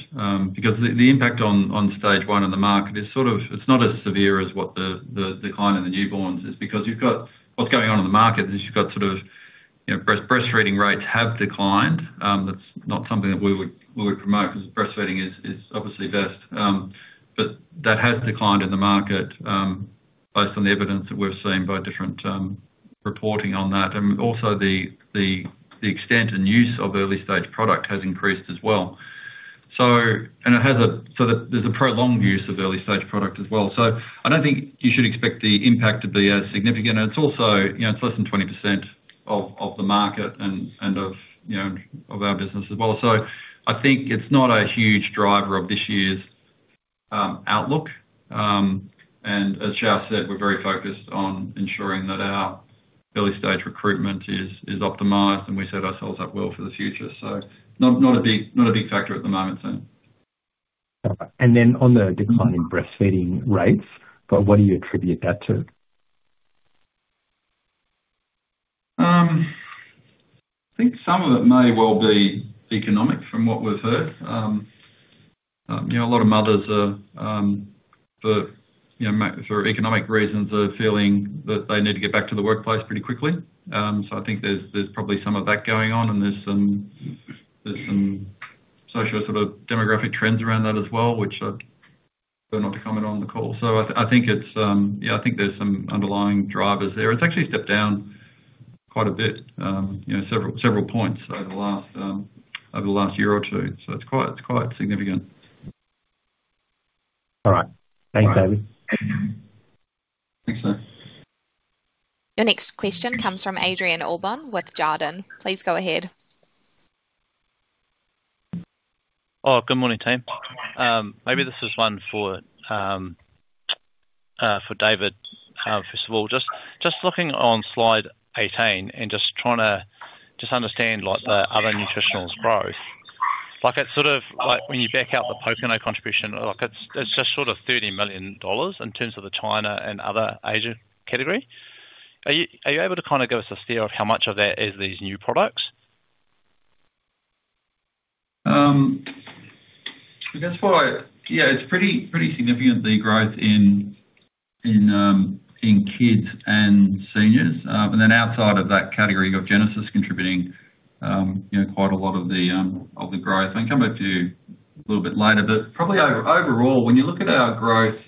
because the impact on Stage 1 in the market is sort of not as severe as what the decline in the newborns is, because you've got... What's going on in the market is you've got sort of, you know, breastfeeding rates have declined. That's not something that we would promote, because breastfeeding is obviously best. But that has declined in the market, based on the evidence that we've seen by different reporting on that. And also the extent and use of early stage product has increased as well. So there's a prolonged use of early stage product as well. So I don't think you should expect the impact to be as significant, and it's also, you know, it's less than 20% of the market and of our business as well. So I think it's not a huge driver of this year's outlook. And as Xiao said, we're very focused on ensuring that our early stage recruitment is optimized, and we set ourselves up well for the future. So not a big factor at the moment, Sam. And then, on the decline in breastfeeding rates, but what do you attribute that to? I think some of it may well be economic, from what we've heard. You know, a lot of mothers are, you know, for economic reasons, feeling that they need to get back to the workplace pretty quickly. So I think there's probably some of that going on, and there's some social, sort of demographic trends around that as well, but not to comment on the call. So I think it's, yeah, I think there's some underlying drivers there. It's actually stepped down quite a bit, you know, several points over the last year or two, so it's quite significant. All right. Thanks, David. Thanks, Sam. Your next question comes from Adrian Allbon with Jarden. Please go ahead. Oh, good morning, team. Maybe this is one for, for David. First of all, just, just looking on slide 18 and just trying to just understand, like, the other Nutritionals growth. Like, it's sort of like when you back out the Pōkeno contribution, like it's, it's just sort of 30 million dollars in terms of the China and other Asia category. Are you, are you able to kind of give us a steer of how much of that is these new products? I guess why... Yeah, it's pretty significantly growth in kids and seniors. And then outside of that category, you've got Genesis contributing, you know, quite a lot of the growth. I'll come back to you a little bit later, but probably overall, when you look at our growth,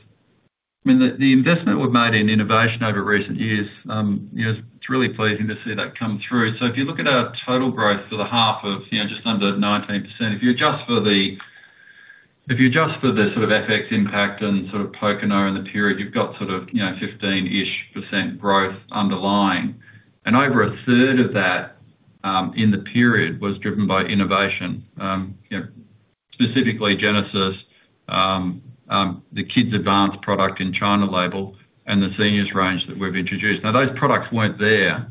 I mean, the investment we've made in innovation over recent years, you know, it's really pleasing to see that come through. So if you look at our total growth for the half, you know, just under 19%, if you adjust for the sort of FX impact and sort of Pōkeno in the period, you've got sort of, you know, 15-ish% growth underlying. And over a third of that in the period was driven by innovation. You know, specifically Genesis, the Kids Advanced product in China label, and the seniors range that we've introduced. Now, those products weren't there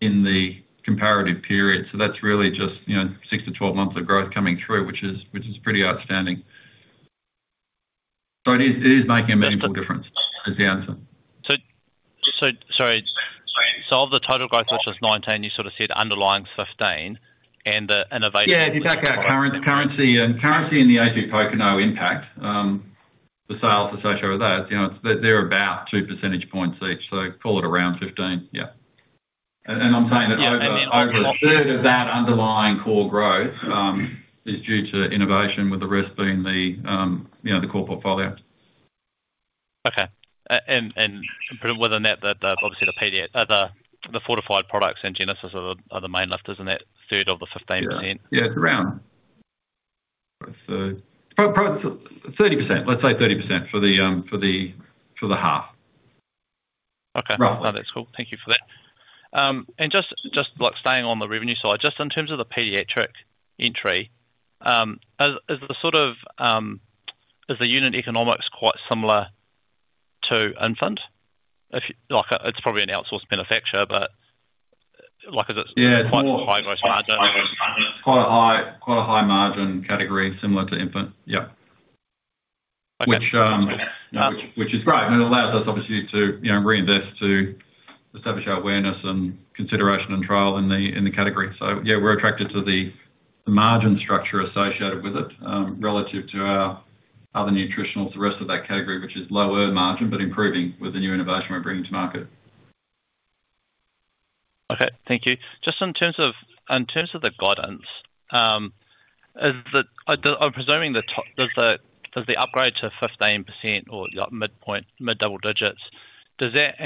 in the comparative period, so that's really just, you know, 6-12 months of growth coming through, which is, which is pretty outstanding. So it is, it is making a meaningful difference, is the answer. Sorry. So of the total growth, which was 19, you sort of said underlying 15 and the innovation- Yeah, if you take our current currency and currency in the a2 Pōkeno impact, the sales associated with that, you know, they're, they're about two percentage points each, so call it around 15. Yeah. And, and I'm saying that over, over a third of that underlying core growth, is due to innovation, with the rest being the, you know, the core portfolio. Okay. And within that, obviously the fortified products and Genesis are the main lifters in that third of the 15%? Yeah, it's around 30. Probably 30%. Let's say 30% for the half. Okay. Right. No, that's cool. Thank you for that. And just like staying on the revenue side, just in terms of the pediatric entry, as the sort of, is the unit economics quite similar to infant? If, like, it's probably an outsourced manufacturer, but like, is it- Yeah. Quite a high gross margin? It's quite a high, quite a high margin category similar to infant. Yeah. Okay. Which is great, and it allows us obviously to, you know, reinvest, to establish our awareness and consideration and trial in the category. So yeah, we're attracted to the margin structure associated with it, relative to our other nutritionals, the rest of that category, which is lower margin, but improving with the new innovation we're bringing to market. Okay, thank you. Just in terms of the guidance, is the... I'm presuming the top, does the upgrade to 15% or midpoint, mid-double digits, does that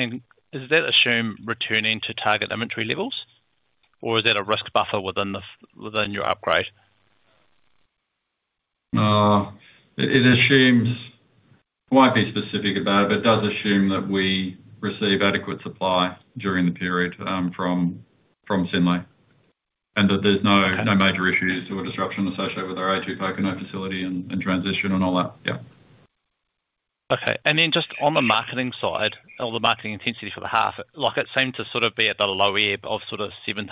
assume returning to target inventory levels, or is that a risk buffer within your upgrade? It assumes, I won't be specific about it, but it does assume that we receive adequate supply during the period from Synlait, and that there's no major issues or disruption associated with our a2 Pōkeno facility and transition and all that. Yeah. Okay. And then just on the marketing side or the marketing intensity for the half, like, it seemed to sort of be at the low ebb of sort of 17%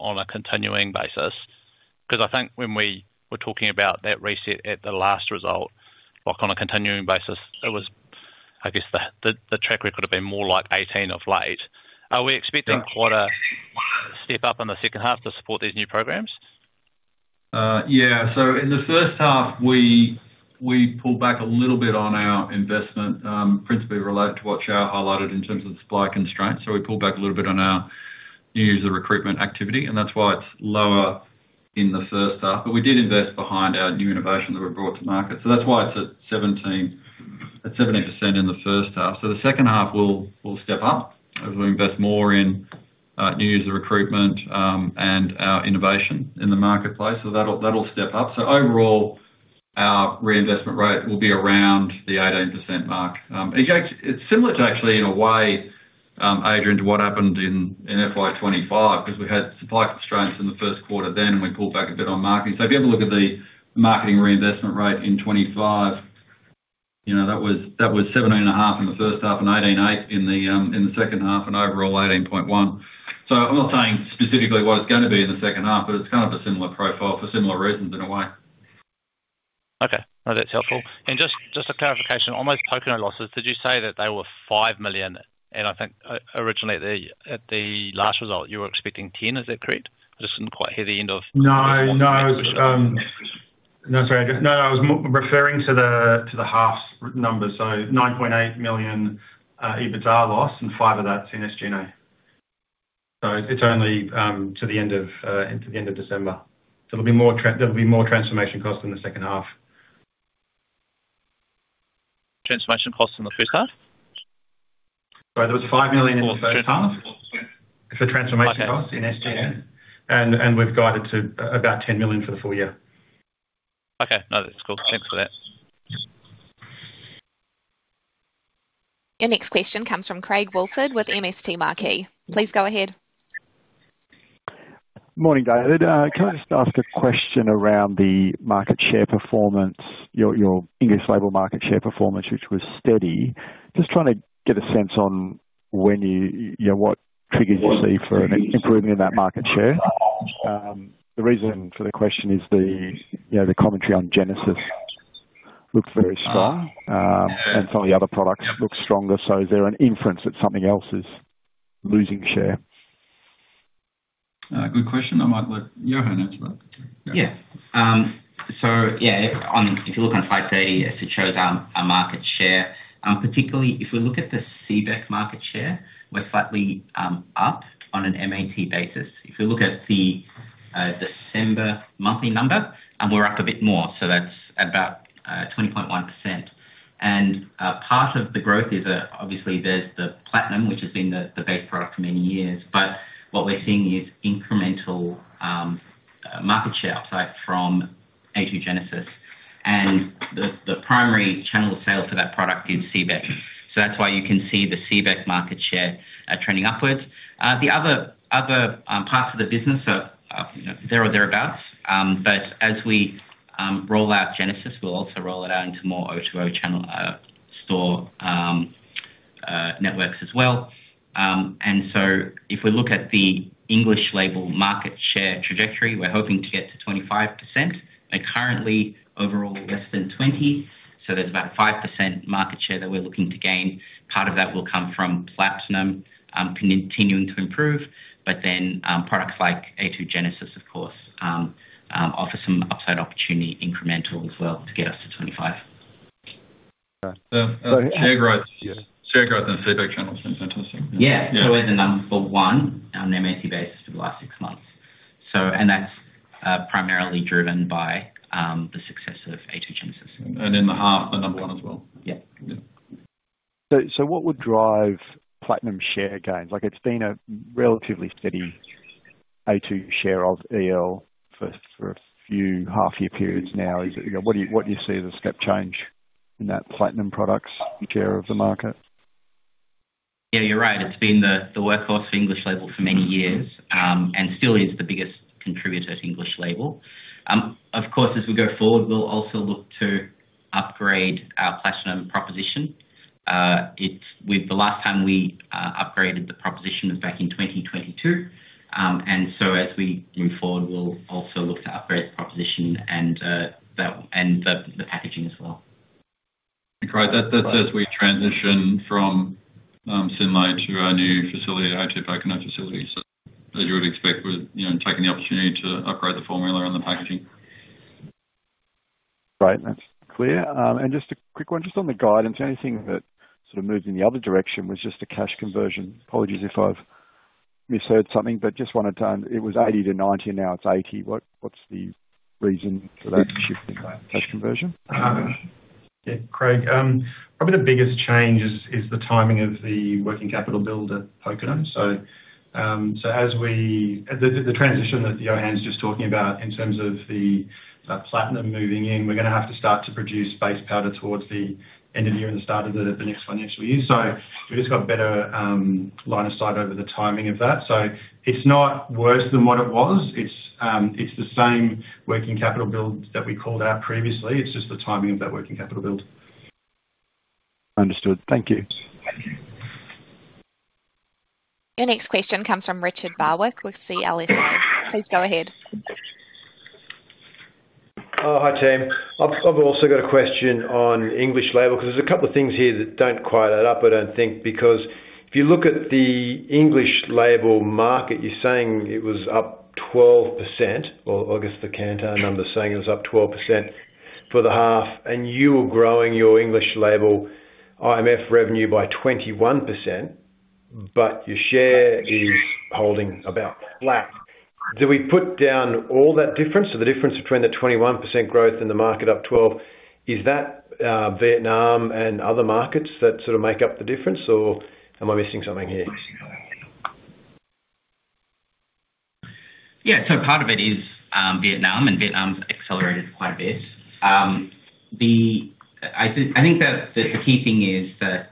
on a continuing basis, 'cause I think when we were talking about that reset at the last result, like on a continuing basis, it was, I guess the track record have been more like 18% of late. Right. Are we expecting quite a step up in the second half to support these new programs? Yeah. So in the H1, we pulled back a little bit on our investment, principally related to what Xiao highlighted in terms of supply constraints. So we pulled back a little bit on our user recruitment activity, and that's why it's lower in the H1. But we did invest behind our new innovations that were brought to market. So that's why it's at 17% in the first half. So the H2 will step up as we invest more in new user recruitment and our innovation in the marketplace. So that'll step up. So overall, our reinvestment rate will be around the 18% mark. It goes, it's similar to actually, in a way, Adrian, to what happened in FY 2025, because we had supply constraints in the first quarter then, and we pulled back a bit on marketing. So if you have a look at the marketing reinvestment rate in 2025, you know, that was, that was 17.5 in the H1 and 18.8 in the H2, and overall 18.1. So I'm not saying specifically what it's going to be in the second half, but it's kind of a similar profile for similar reasons in a way. Okay. No, that's helpful. And just, just a clarification on those Pōkeno losses, did you say that they were 5 million? And I think originally at the last result, you were expecting 10. Is that correct? I just didn't quite hear the end of- No, no. No, sorry. No, I was referring to the half's numbers, so 9.8 million EBITDA loss, and 5 million of that's in SG&A. So it's only to the end of December. There'll be more transformation costs in the second half. Transformation costs in the first half? Sorry, there was 5 million in the first half for transformation costs in SG&A, and we've guided to about 10 million for the full year. Okay. No, that's cool. Thanks for that. Your next question comes from Craig Woolford with MST Marquee. Please go ahead. Morning, David. Can I just ask a question around the market share performance, your, your English label market share performance, which was steady. Just trying to get a sense on when you, you know, what triggers you see for an improvement in that market share. The reason for the question is the, you know, the commentary on Genesis looks very strong, and some of the other products look stronger. So is there an inference that something else is losing share? ... Good question. I might let Yohan answer that. Yeah. So yeah, on, if you look on slide 30, it shows, our market share. Particularly if we look at the CBEC market share, we're slightly, up on an MAT basis. If you look at the, December monthly number, and we're up a bit more, so that's about, 20.1%. And, part of the growth is, obviously there's the Platinum, which has been the base product for many years. But what we're seeing is incremental, market share upside from A2 Genesis. And the primary channel of sales for that product is CBEC. So that's why you can see the CBEC market share, trending upwards. The other, parts of the business are, there or thereabouts. But as we roll out a2 Genesis, we'll also roll it out into more O2O channel store networks as well. And so if we look at the English label market share trajectory, we're hoping to get to 25%. We're currently overall less than 20, so there's about 5% market share that we're looking to gain. Part of that will come from Platinum continuing to improve, but then products like a2 Genesis, of course, offer some upside opportunity, incremental as well, to get us to 2025. Share growth. Yes, share growth in the CBEC channel seems fantastic. Yeah. Yeah. So we're the number one on an MAT basis for the last six months. So, and that's primarily driven by the success of a2 Genesis. In the half, the number one as well? Yeah. Yeah. So, what would drive Platinum share gains? Like, it's been a relatively steady A2 share of EL for a few half year periods now. What do you see as a step change in that Platinum products share of the market? Yeah, you're right. It's been the workhorse of English Label for many years, and still is the biggest contributor to English Label. Of course, as we go forward, we'll also look to upgrade our Platinum proposition. The last time we upgraded the proposition was back in 2022. And so as we move forward, we'll also look to upgrade the proposition and the packaging as well. Great. That's as we transition from Synlait to our new facility, a2 Pōkeno facility. So as you would expect, we're, you know, taking the opportunity to upgrade the formula and the packaging. Great, that's clear. Just a quick one, just on the guidance, the only thing that sort of moved in the other direction was just the cash conversion. Apologies if I've misheard something, but just wanted to... It was 80%-90%, now it's 80%. What, what's the reason for that shift in cash conversion? Yeah, Craig, probably the biggest change is the timing of the working capital build at Pōkeno. So as we transition that Yohan's just talking about in terms of the Platinum moving in, we're gonna have to start to produce base powder towards the end of the year and the start of the next financial year. So we've just got a better line of sight over the timing of that. So it's not worse than what it was. It's the same working capital build that we called out previously. It's just the timing of that working capital build. Understood. Thank you. Thank you. Your next question comes from Richard Barwick with CLSA. Please go ahead. Hi, team. I've also got a question on English label, 'cause there's a couple of things here that don't quite add up, I don't think, because if you look at the English label market, you're saying it was up 12% or I guess the Kantar numbers saying it was up 12% for the half, and you were growing your English label IMF revenue by 21%, but your share is holding about flat. Do we put down all that difference or the difference between the 21% growth and the market up 12, is that Vietnam and other markets that sort of make up the difference, or am I missing something here? Yeah. So part of it is Vietnam, and Vietnam's accelerated quite a bit. I think that the key thing is that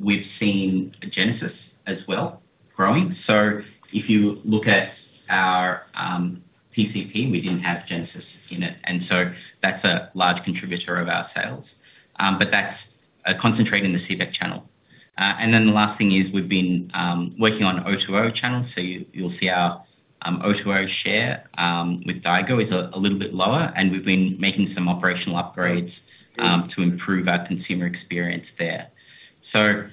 we've seen Genesis as well growing. So if you look at our PCP, we didn't have Genesis in it, and so that's a large contributor of our sales. But that's concentrated in the CBEC channel. And then the last thing is we've been working on O2O channels, so you'll see our O2O share with Daigou is a little bit lower, and we've been making some operational upgrades to improve our consumer experience there. So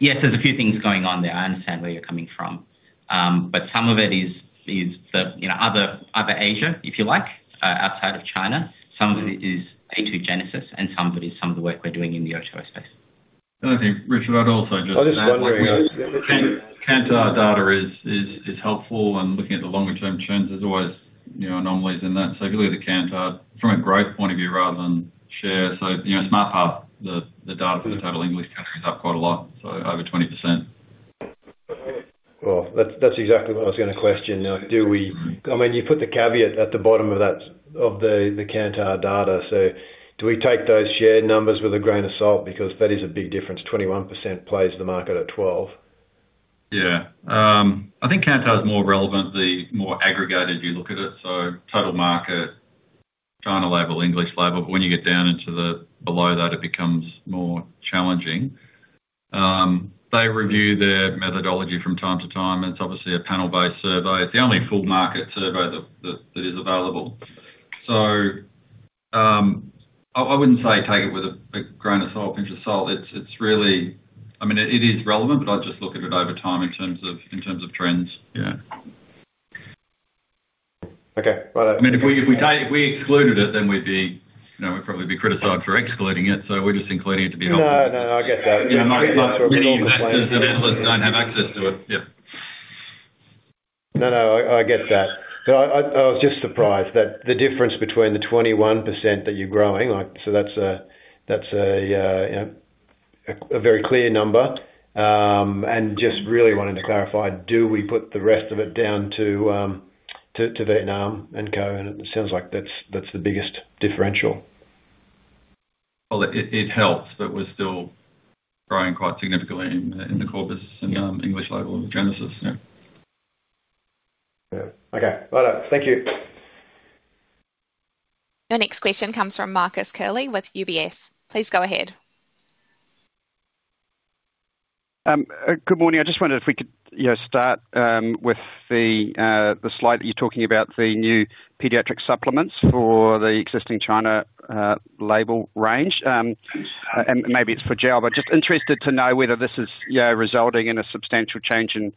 yes, there's a few things going on there. I understand where you're coming from. But some of it is the you know, other Asia, if you like, outside of China. Some of it is a2 Genesis, and some of it is some of the work we're doing in the O2O space. And I think, Richard, I'd also just- I'm just wondering. Kantar data is helpful, and looking at the longer term trends, there's always, you know, anomalies in that. So if you look at the Kantar from a growth point of view rather than share, so, you know, Smart Path, the data for the total English category is up quite a lot, so over 20%. Well, that's exactly what I was gonna question. Now, do we... I mean, you put the caveat at the bottom of that, of the Kantar data, so do we take those share numbers with a grain of salt? Because that is a big difference. 21% plays the market at 12%. Yeah. I think Kantar is more relevant the more aggregated you look at it, so total market, China label, English label, but when you get down into the below that, it becomes more challenging. They review their methodology from time to time, and it's obviously a panel-based survey. It's the only full market survey that is available. I wouldn't say take it with a grain of salt, pinch of salt. It's really, I mean, it is relevant, but I'd just look at it over time in terms of trends. Yeah. Okay. Right. I mean, if we take, if we excluded it, then we'd be, you know, we'd probably be criticized for excluding it, so we're just including it to be- No, no, I get that. Many of the analysts don't have access to it. Yeah. No, no, I get that. So I was just surprised that the difference between the 21% that you're growing, like, so that's a very clear number. And just really wanted to clarify, do we put the rest of it down to Vietnam and Co? And it sounds like that's the biggest differential. Well, it helps, but we're still growing quite significantly in the core U.S. and English label a2 Genesis. Yeah. Yeah. Okay. Right. Thank you. Your next question comes from Marcus Curley with UBS. Please go ahead. Good morning. I just wondered if we could, you know, start with the slide that you're talking about, the new pediatric supplements for the existing China label range. And maybe it's for Xiao, but just interested to know whether this is, you know, resulting in a substantial change in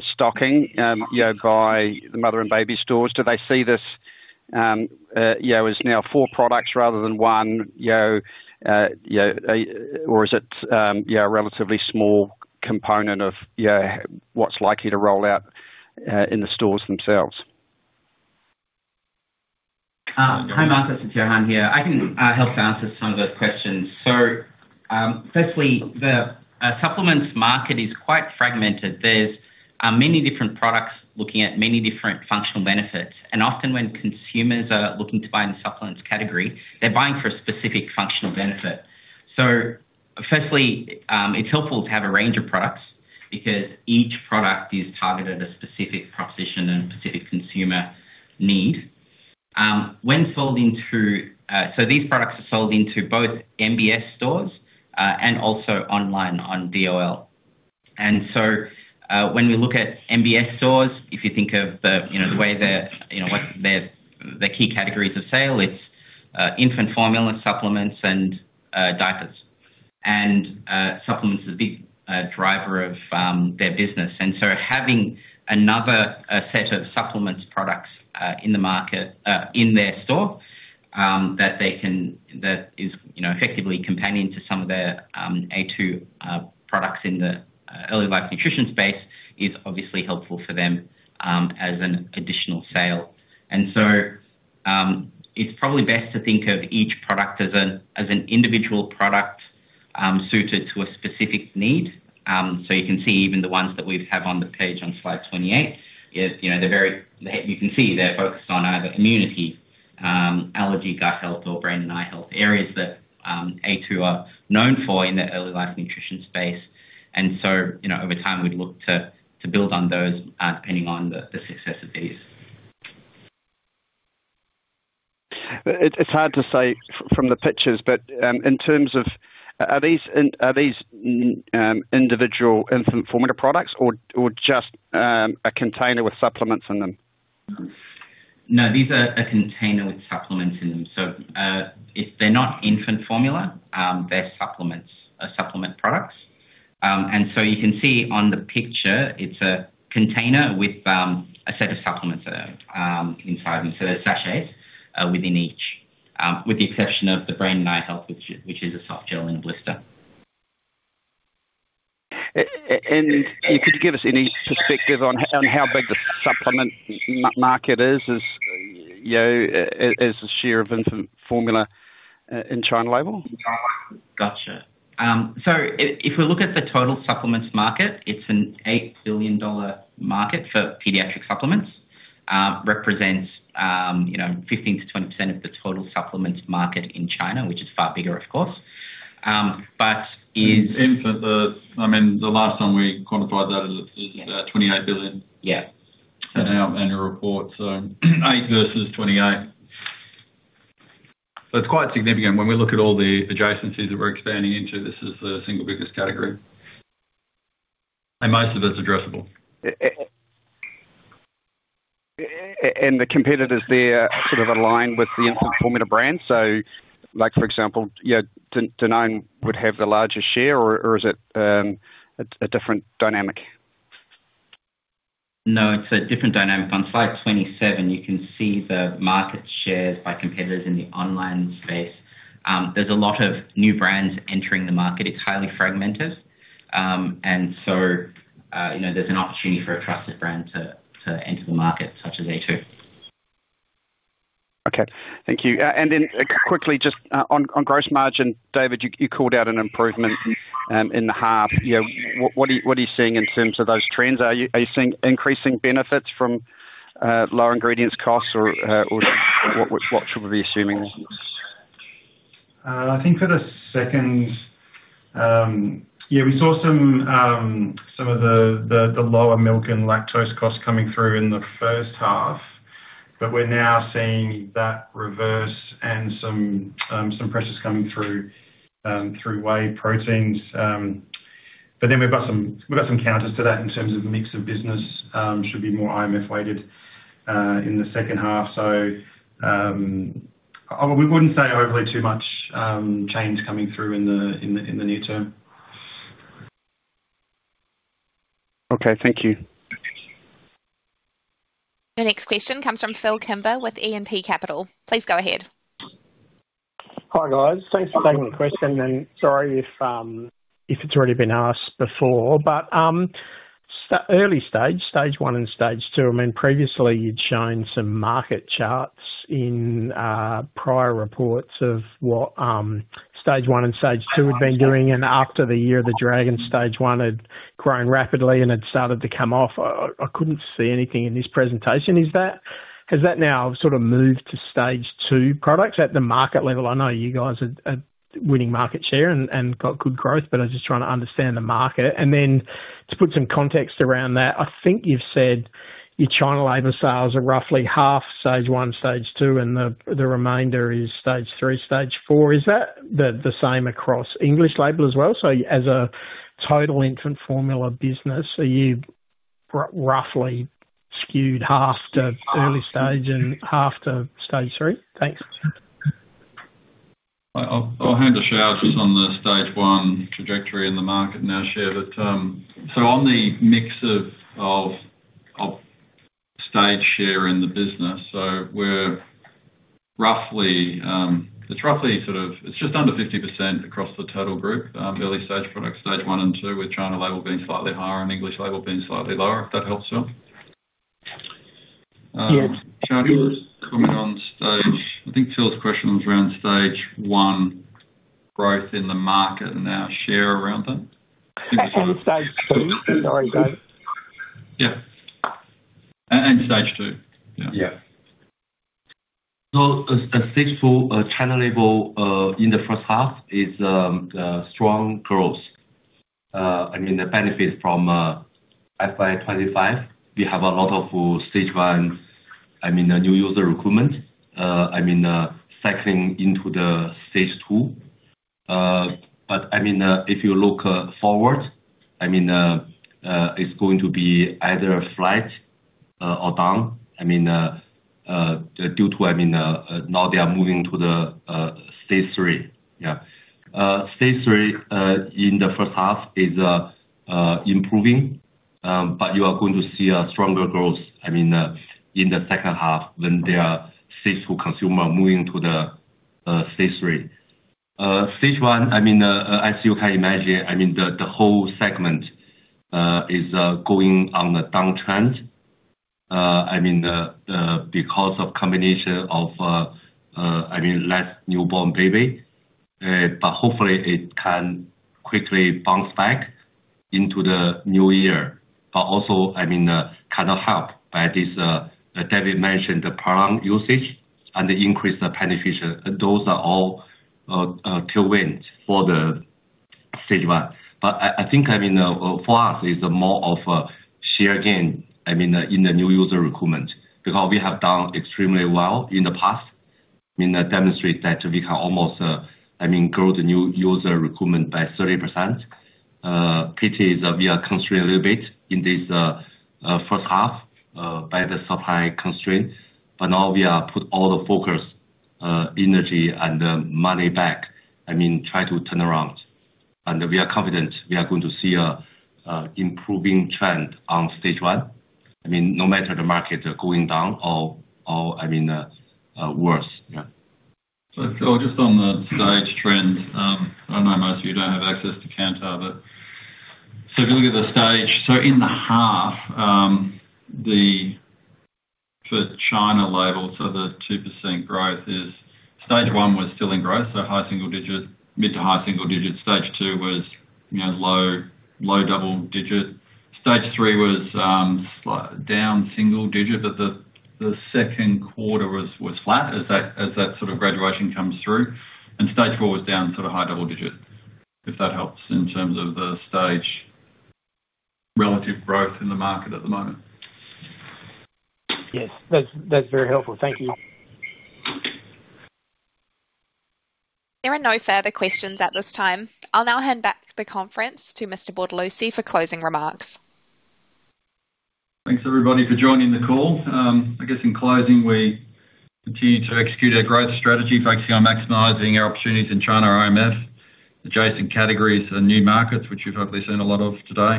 stocking, you know, by the mother and baby stores. Do they see this, you know, as now four products rather than one, you know, or is it, yeah, a relatively small component of, yeah, what's likely to roll out in the stores themselves? Hi, Marcus, it's Yohan here. I can help to answer some of those questions. So, firstly, the supplements market is quite fragmented. There's many different products looking at many different functional benefits, and often when consumers are looking to buy in the supplements category, they're buying for a specific functional benefit. So firstly, it's helpful to have a range of products because each product is targeted at a specific proposition and specific consumer need. When sold into, so these products are sold into both MBS stores and also online on DOL. So, when we look at MBS stores, if you think of the, you know, the way the, you know, what the key categories of sale, it's infant formula, supplements, and diapers. Supplements is a big driver of their business, and so having another set of supplements products in the market in their store that they can... That is, you know, effectively companion to some of their a2 products in the early life nutrition space, is obviously helpful for them as an additional sale. And so, it's probably best to think of each product as an, as an individual product suited to a specific need. So you can see even the ones that we have on the page on slide 28, is, you know, they're very, you can see they're focused on either immunity, allergy, gut health, or brain and eye health, areas that a2 are known for in the early life nutrition space. You know, over time, we'd look to build on those, depending on the success of these. It's hard to say from the pictures, but in terms of, are these individual infant formula products or just a container with supplements in them? No, these are a container with supplements in them. So, if they're not infant formula, they're supplements, supplement products. And so you can see on the picture, it's a container with a set of supplements inside. And so they're sachets within each, with the exception of the brain and eye health, which is a soft gel and a blister. And could you give us any perspective on how big the supplement market is, you know, as a share of infant formula in China label? Gotcha. So if we look at the total supplements market, it's an $8 billion market for pediatric supplements. Represents, you know, 15%-20% of the total supplements market in China, which is far bigger, of course. But is- I mean, the last time we quantified that, it was $28 billion. Yeah. In our annual report. 8 versus 28. It's quite significant. When we look at all the adjacencies that we're expanding into, this is the single biggest category, and most of it's addressable. And the competitors there are sort of aligned with the infant formula brand. So like, for example, you know, Danone would have the largest share, or is it a different dynamic? No, it's a different dynamic. On slide 27, you can see the market shares by competitors in the online space. There's a lot of new brands entering the market. It's highly fragmented, and so, you know, there's an opportunity for a trusted brand to enter the market, such as a2. Okay, thank you. And then quickly, just on gross margin, David, you called out an improvement in the half. You know, what are you seeing in terms of those trends? Are you seeing increasing benefits from lower ingredients costs or what should we be assuming? I think for the second, yeah, we saw some of the lower milk and lactose costs coming through in the first half, but we're now seeing that reverse and some pressures coming through through whey proteins. But then we've got some counters to that in terms of mix of business, should be more IMF weighted, in the second half. So, we wouldn't say hopefully too much change coming through in the near term. Okay, thank you. The next question comes from Phillip Kimber with E&P Capital. Please go ahead. Hi, guys. Thanks for taking the question, and sorry if it's already been asked before, but early stage, stage one and stage two, I mean, previously you'd shown some market charts in prior reports of what stage one and stage two have been doing, and after the Year of the Dragon, stage one had grown rapidly and had started to come off. I couldn't see anything in this presentation. Is that? Has that now sort of moved to stage two products at the market level? I know you guys are winning market share and got good growth, but I'm just trying to understand the market. And then to put some context around that, I think you've said your China label sales are roughly half stage one, stage two, and the remainder is stage three, stage four. Is that the same across English label as well? So as a total infant formula business, are you roughly skewed half to early stage and half to stage three? Thanks. I'll hand over the Stage 1 trajectory in the market and our share. But so on the mix of stage share in the business, so we're roughly, it's roughly sort of, it's just under 50% across the total group, early stage products, stage one and two, with China label being slightly higher and English label being slightly lower, if that helps you. Yes. Xiao Li, comment on stage... I think Phil's question was around stage one growth in the market and our share around that. Stage 2. Sorry, guys. Yeah. And Stage 2. Yeah. So the Stage 2 China label in the first half is strong growth. I mean, the benefit from FY 2025, we have a lot of Stage 1s, I mean, the new user recruitment factoring into the Stage 2. But I mean, if you look forward, I mean, it's going to be either flat or down. I mean, due to now they are moving to the Stage 3. Yeah. Stage 3 in the first half is improving, but you are going to see a stronger growth, I mean, in the second half than there are Stage 2 consumer moving to the Stage 3. Stage one, I mean, as you can imagine, I mean, the whole segment is going on a downtrend, I mean, because of a combination of fewer newborn babies, but hopefully it can quickly bounce back into the new year, but also, I mean, kind of helped by this. David mentioned the premium usage and the increased penetration. Those are all tailwinds for the stage one. But I think, I mean, for us, it's more of a share gain, I mean, in the new user recruitment, because we have done extremely well in the past, I mean, demonstrate that we can almost grow the new user recruitment by 30%. Pity is that we are constrained a little bit in this first half by the supply constraints, but now we are put all the focus, energy and the money back. I mean, try to turn around, and we are confident we are going to see a improving trend on stage one. I mean, no matter the market, going down or, or, I mean, worse. Yeah. So just on the stage trend, I know most of you don't have access to Kantar, but so if you look at the stage, so in the half, the, for China label, so the 2% growth is stage one was still in growth, so high single digits, mid to high single digits. Stage two was, you know, low double digits. Stage three was down single digit, but the, the second quarter was flat as that, as that sort of graduation comes through. And stage four was down to the high double digits, if that helps in terms of the stage relative growth in the market at the moment. Yes, that's very helpful. Thank you. There are no further questions at this time. I'll now hand back the conference to Mr. Bortolussi for closing remarks. Thanks, everybody, for joining the call. I guess in closing, we continue to execute our growth strategy, focusing on maximizing our opportunities in China, IMF, adjacent categories and new markets, which you've hopefully seen a lot of today.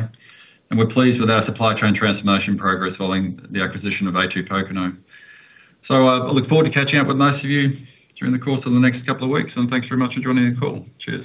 We're pleased with our supply chain transformation progress following the acquisition of a2 Pōkeno. I look forward to catching up with most of you during the course of the next couple of weeks, and thanks very much for joining the call. Cheers.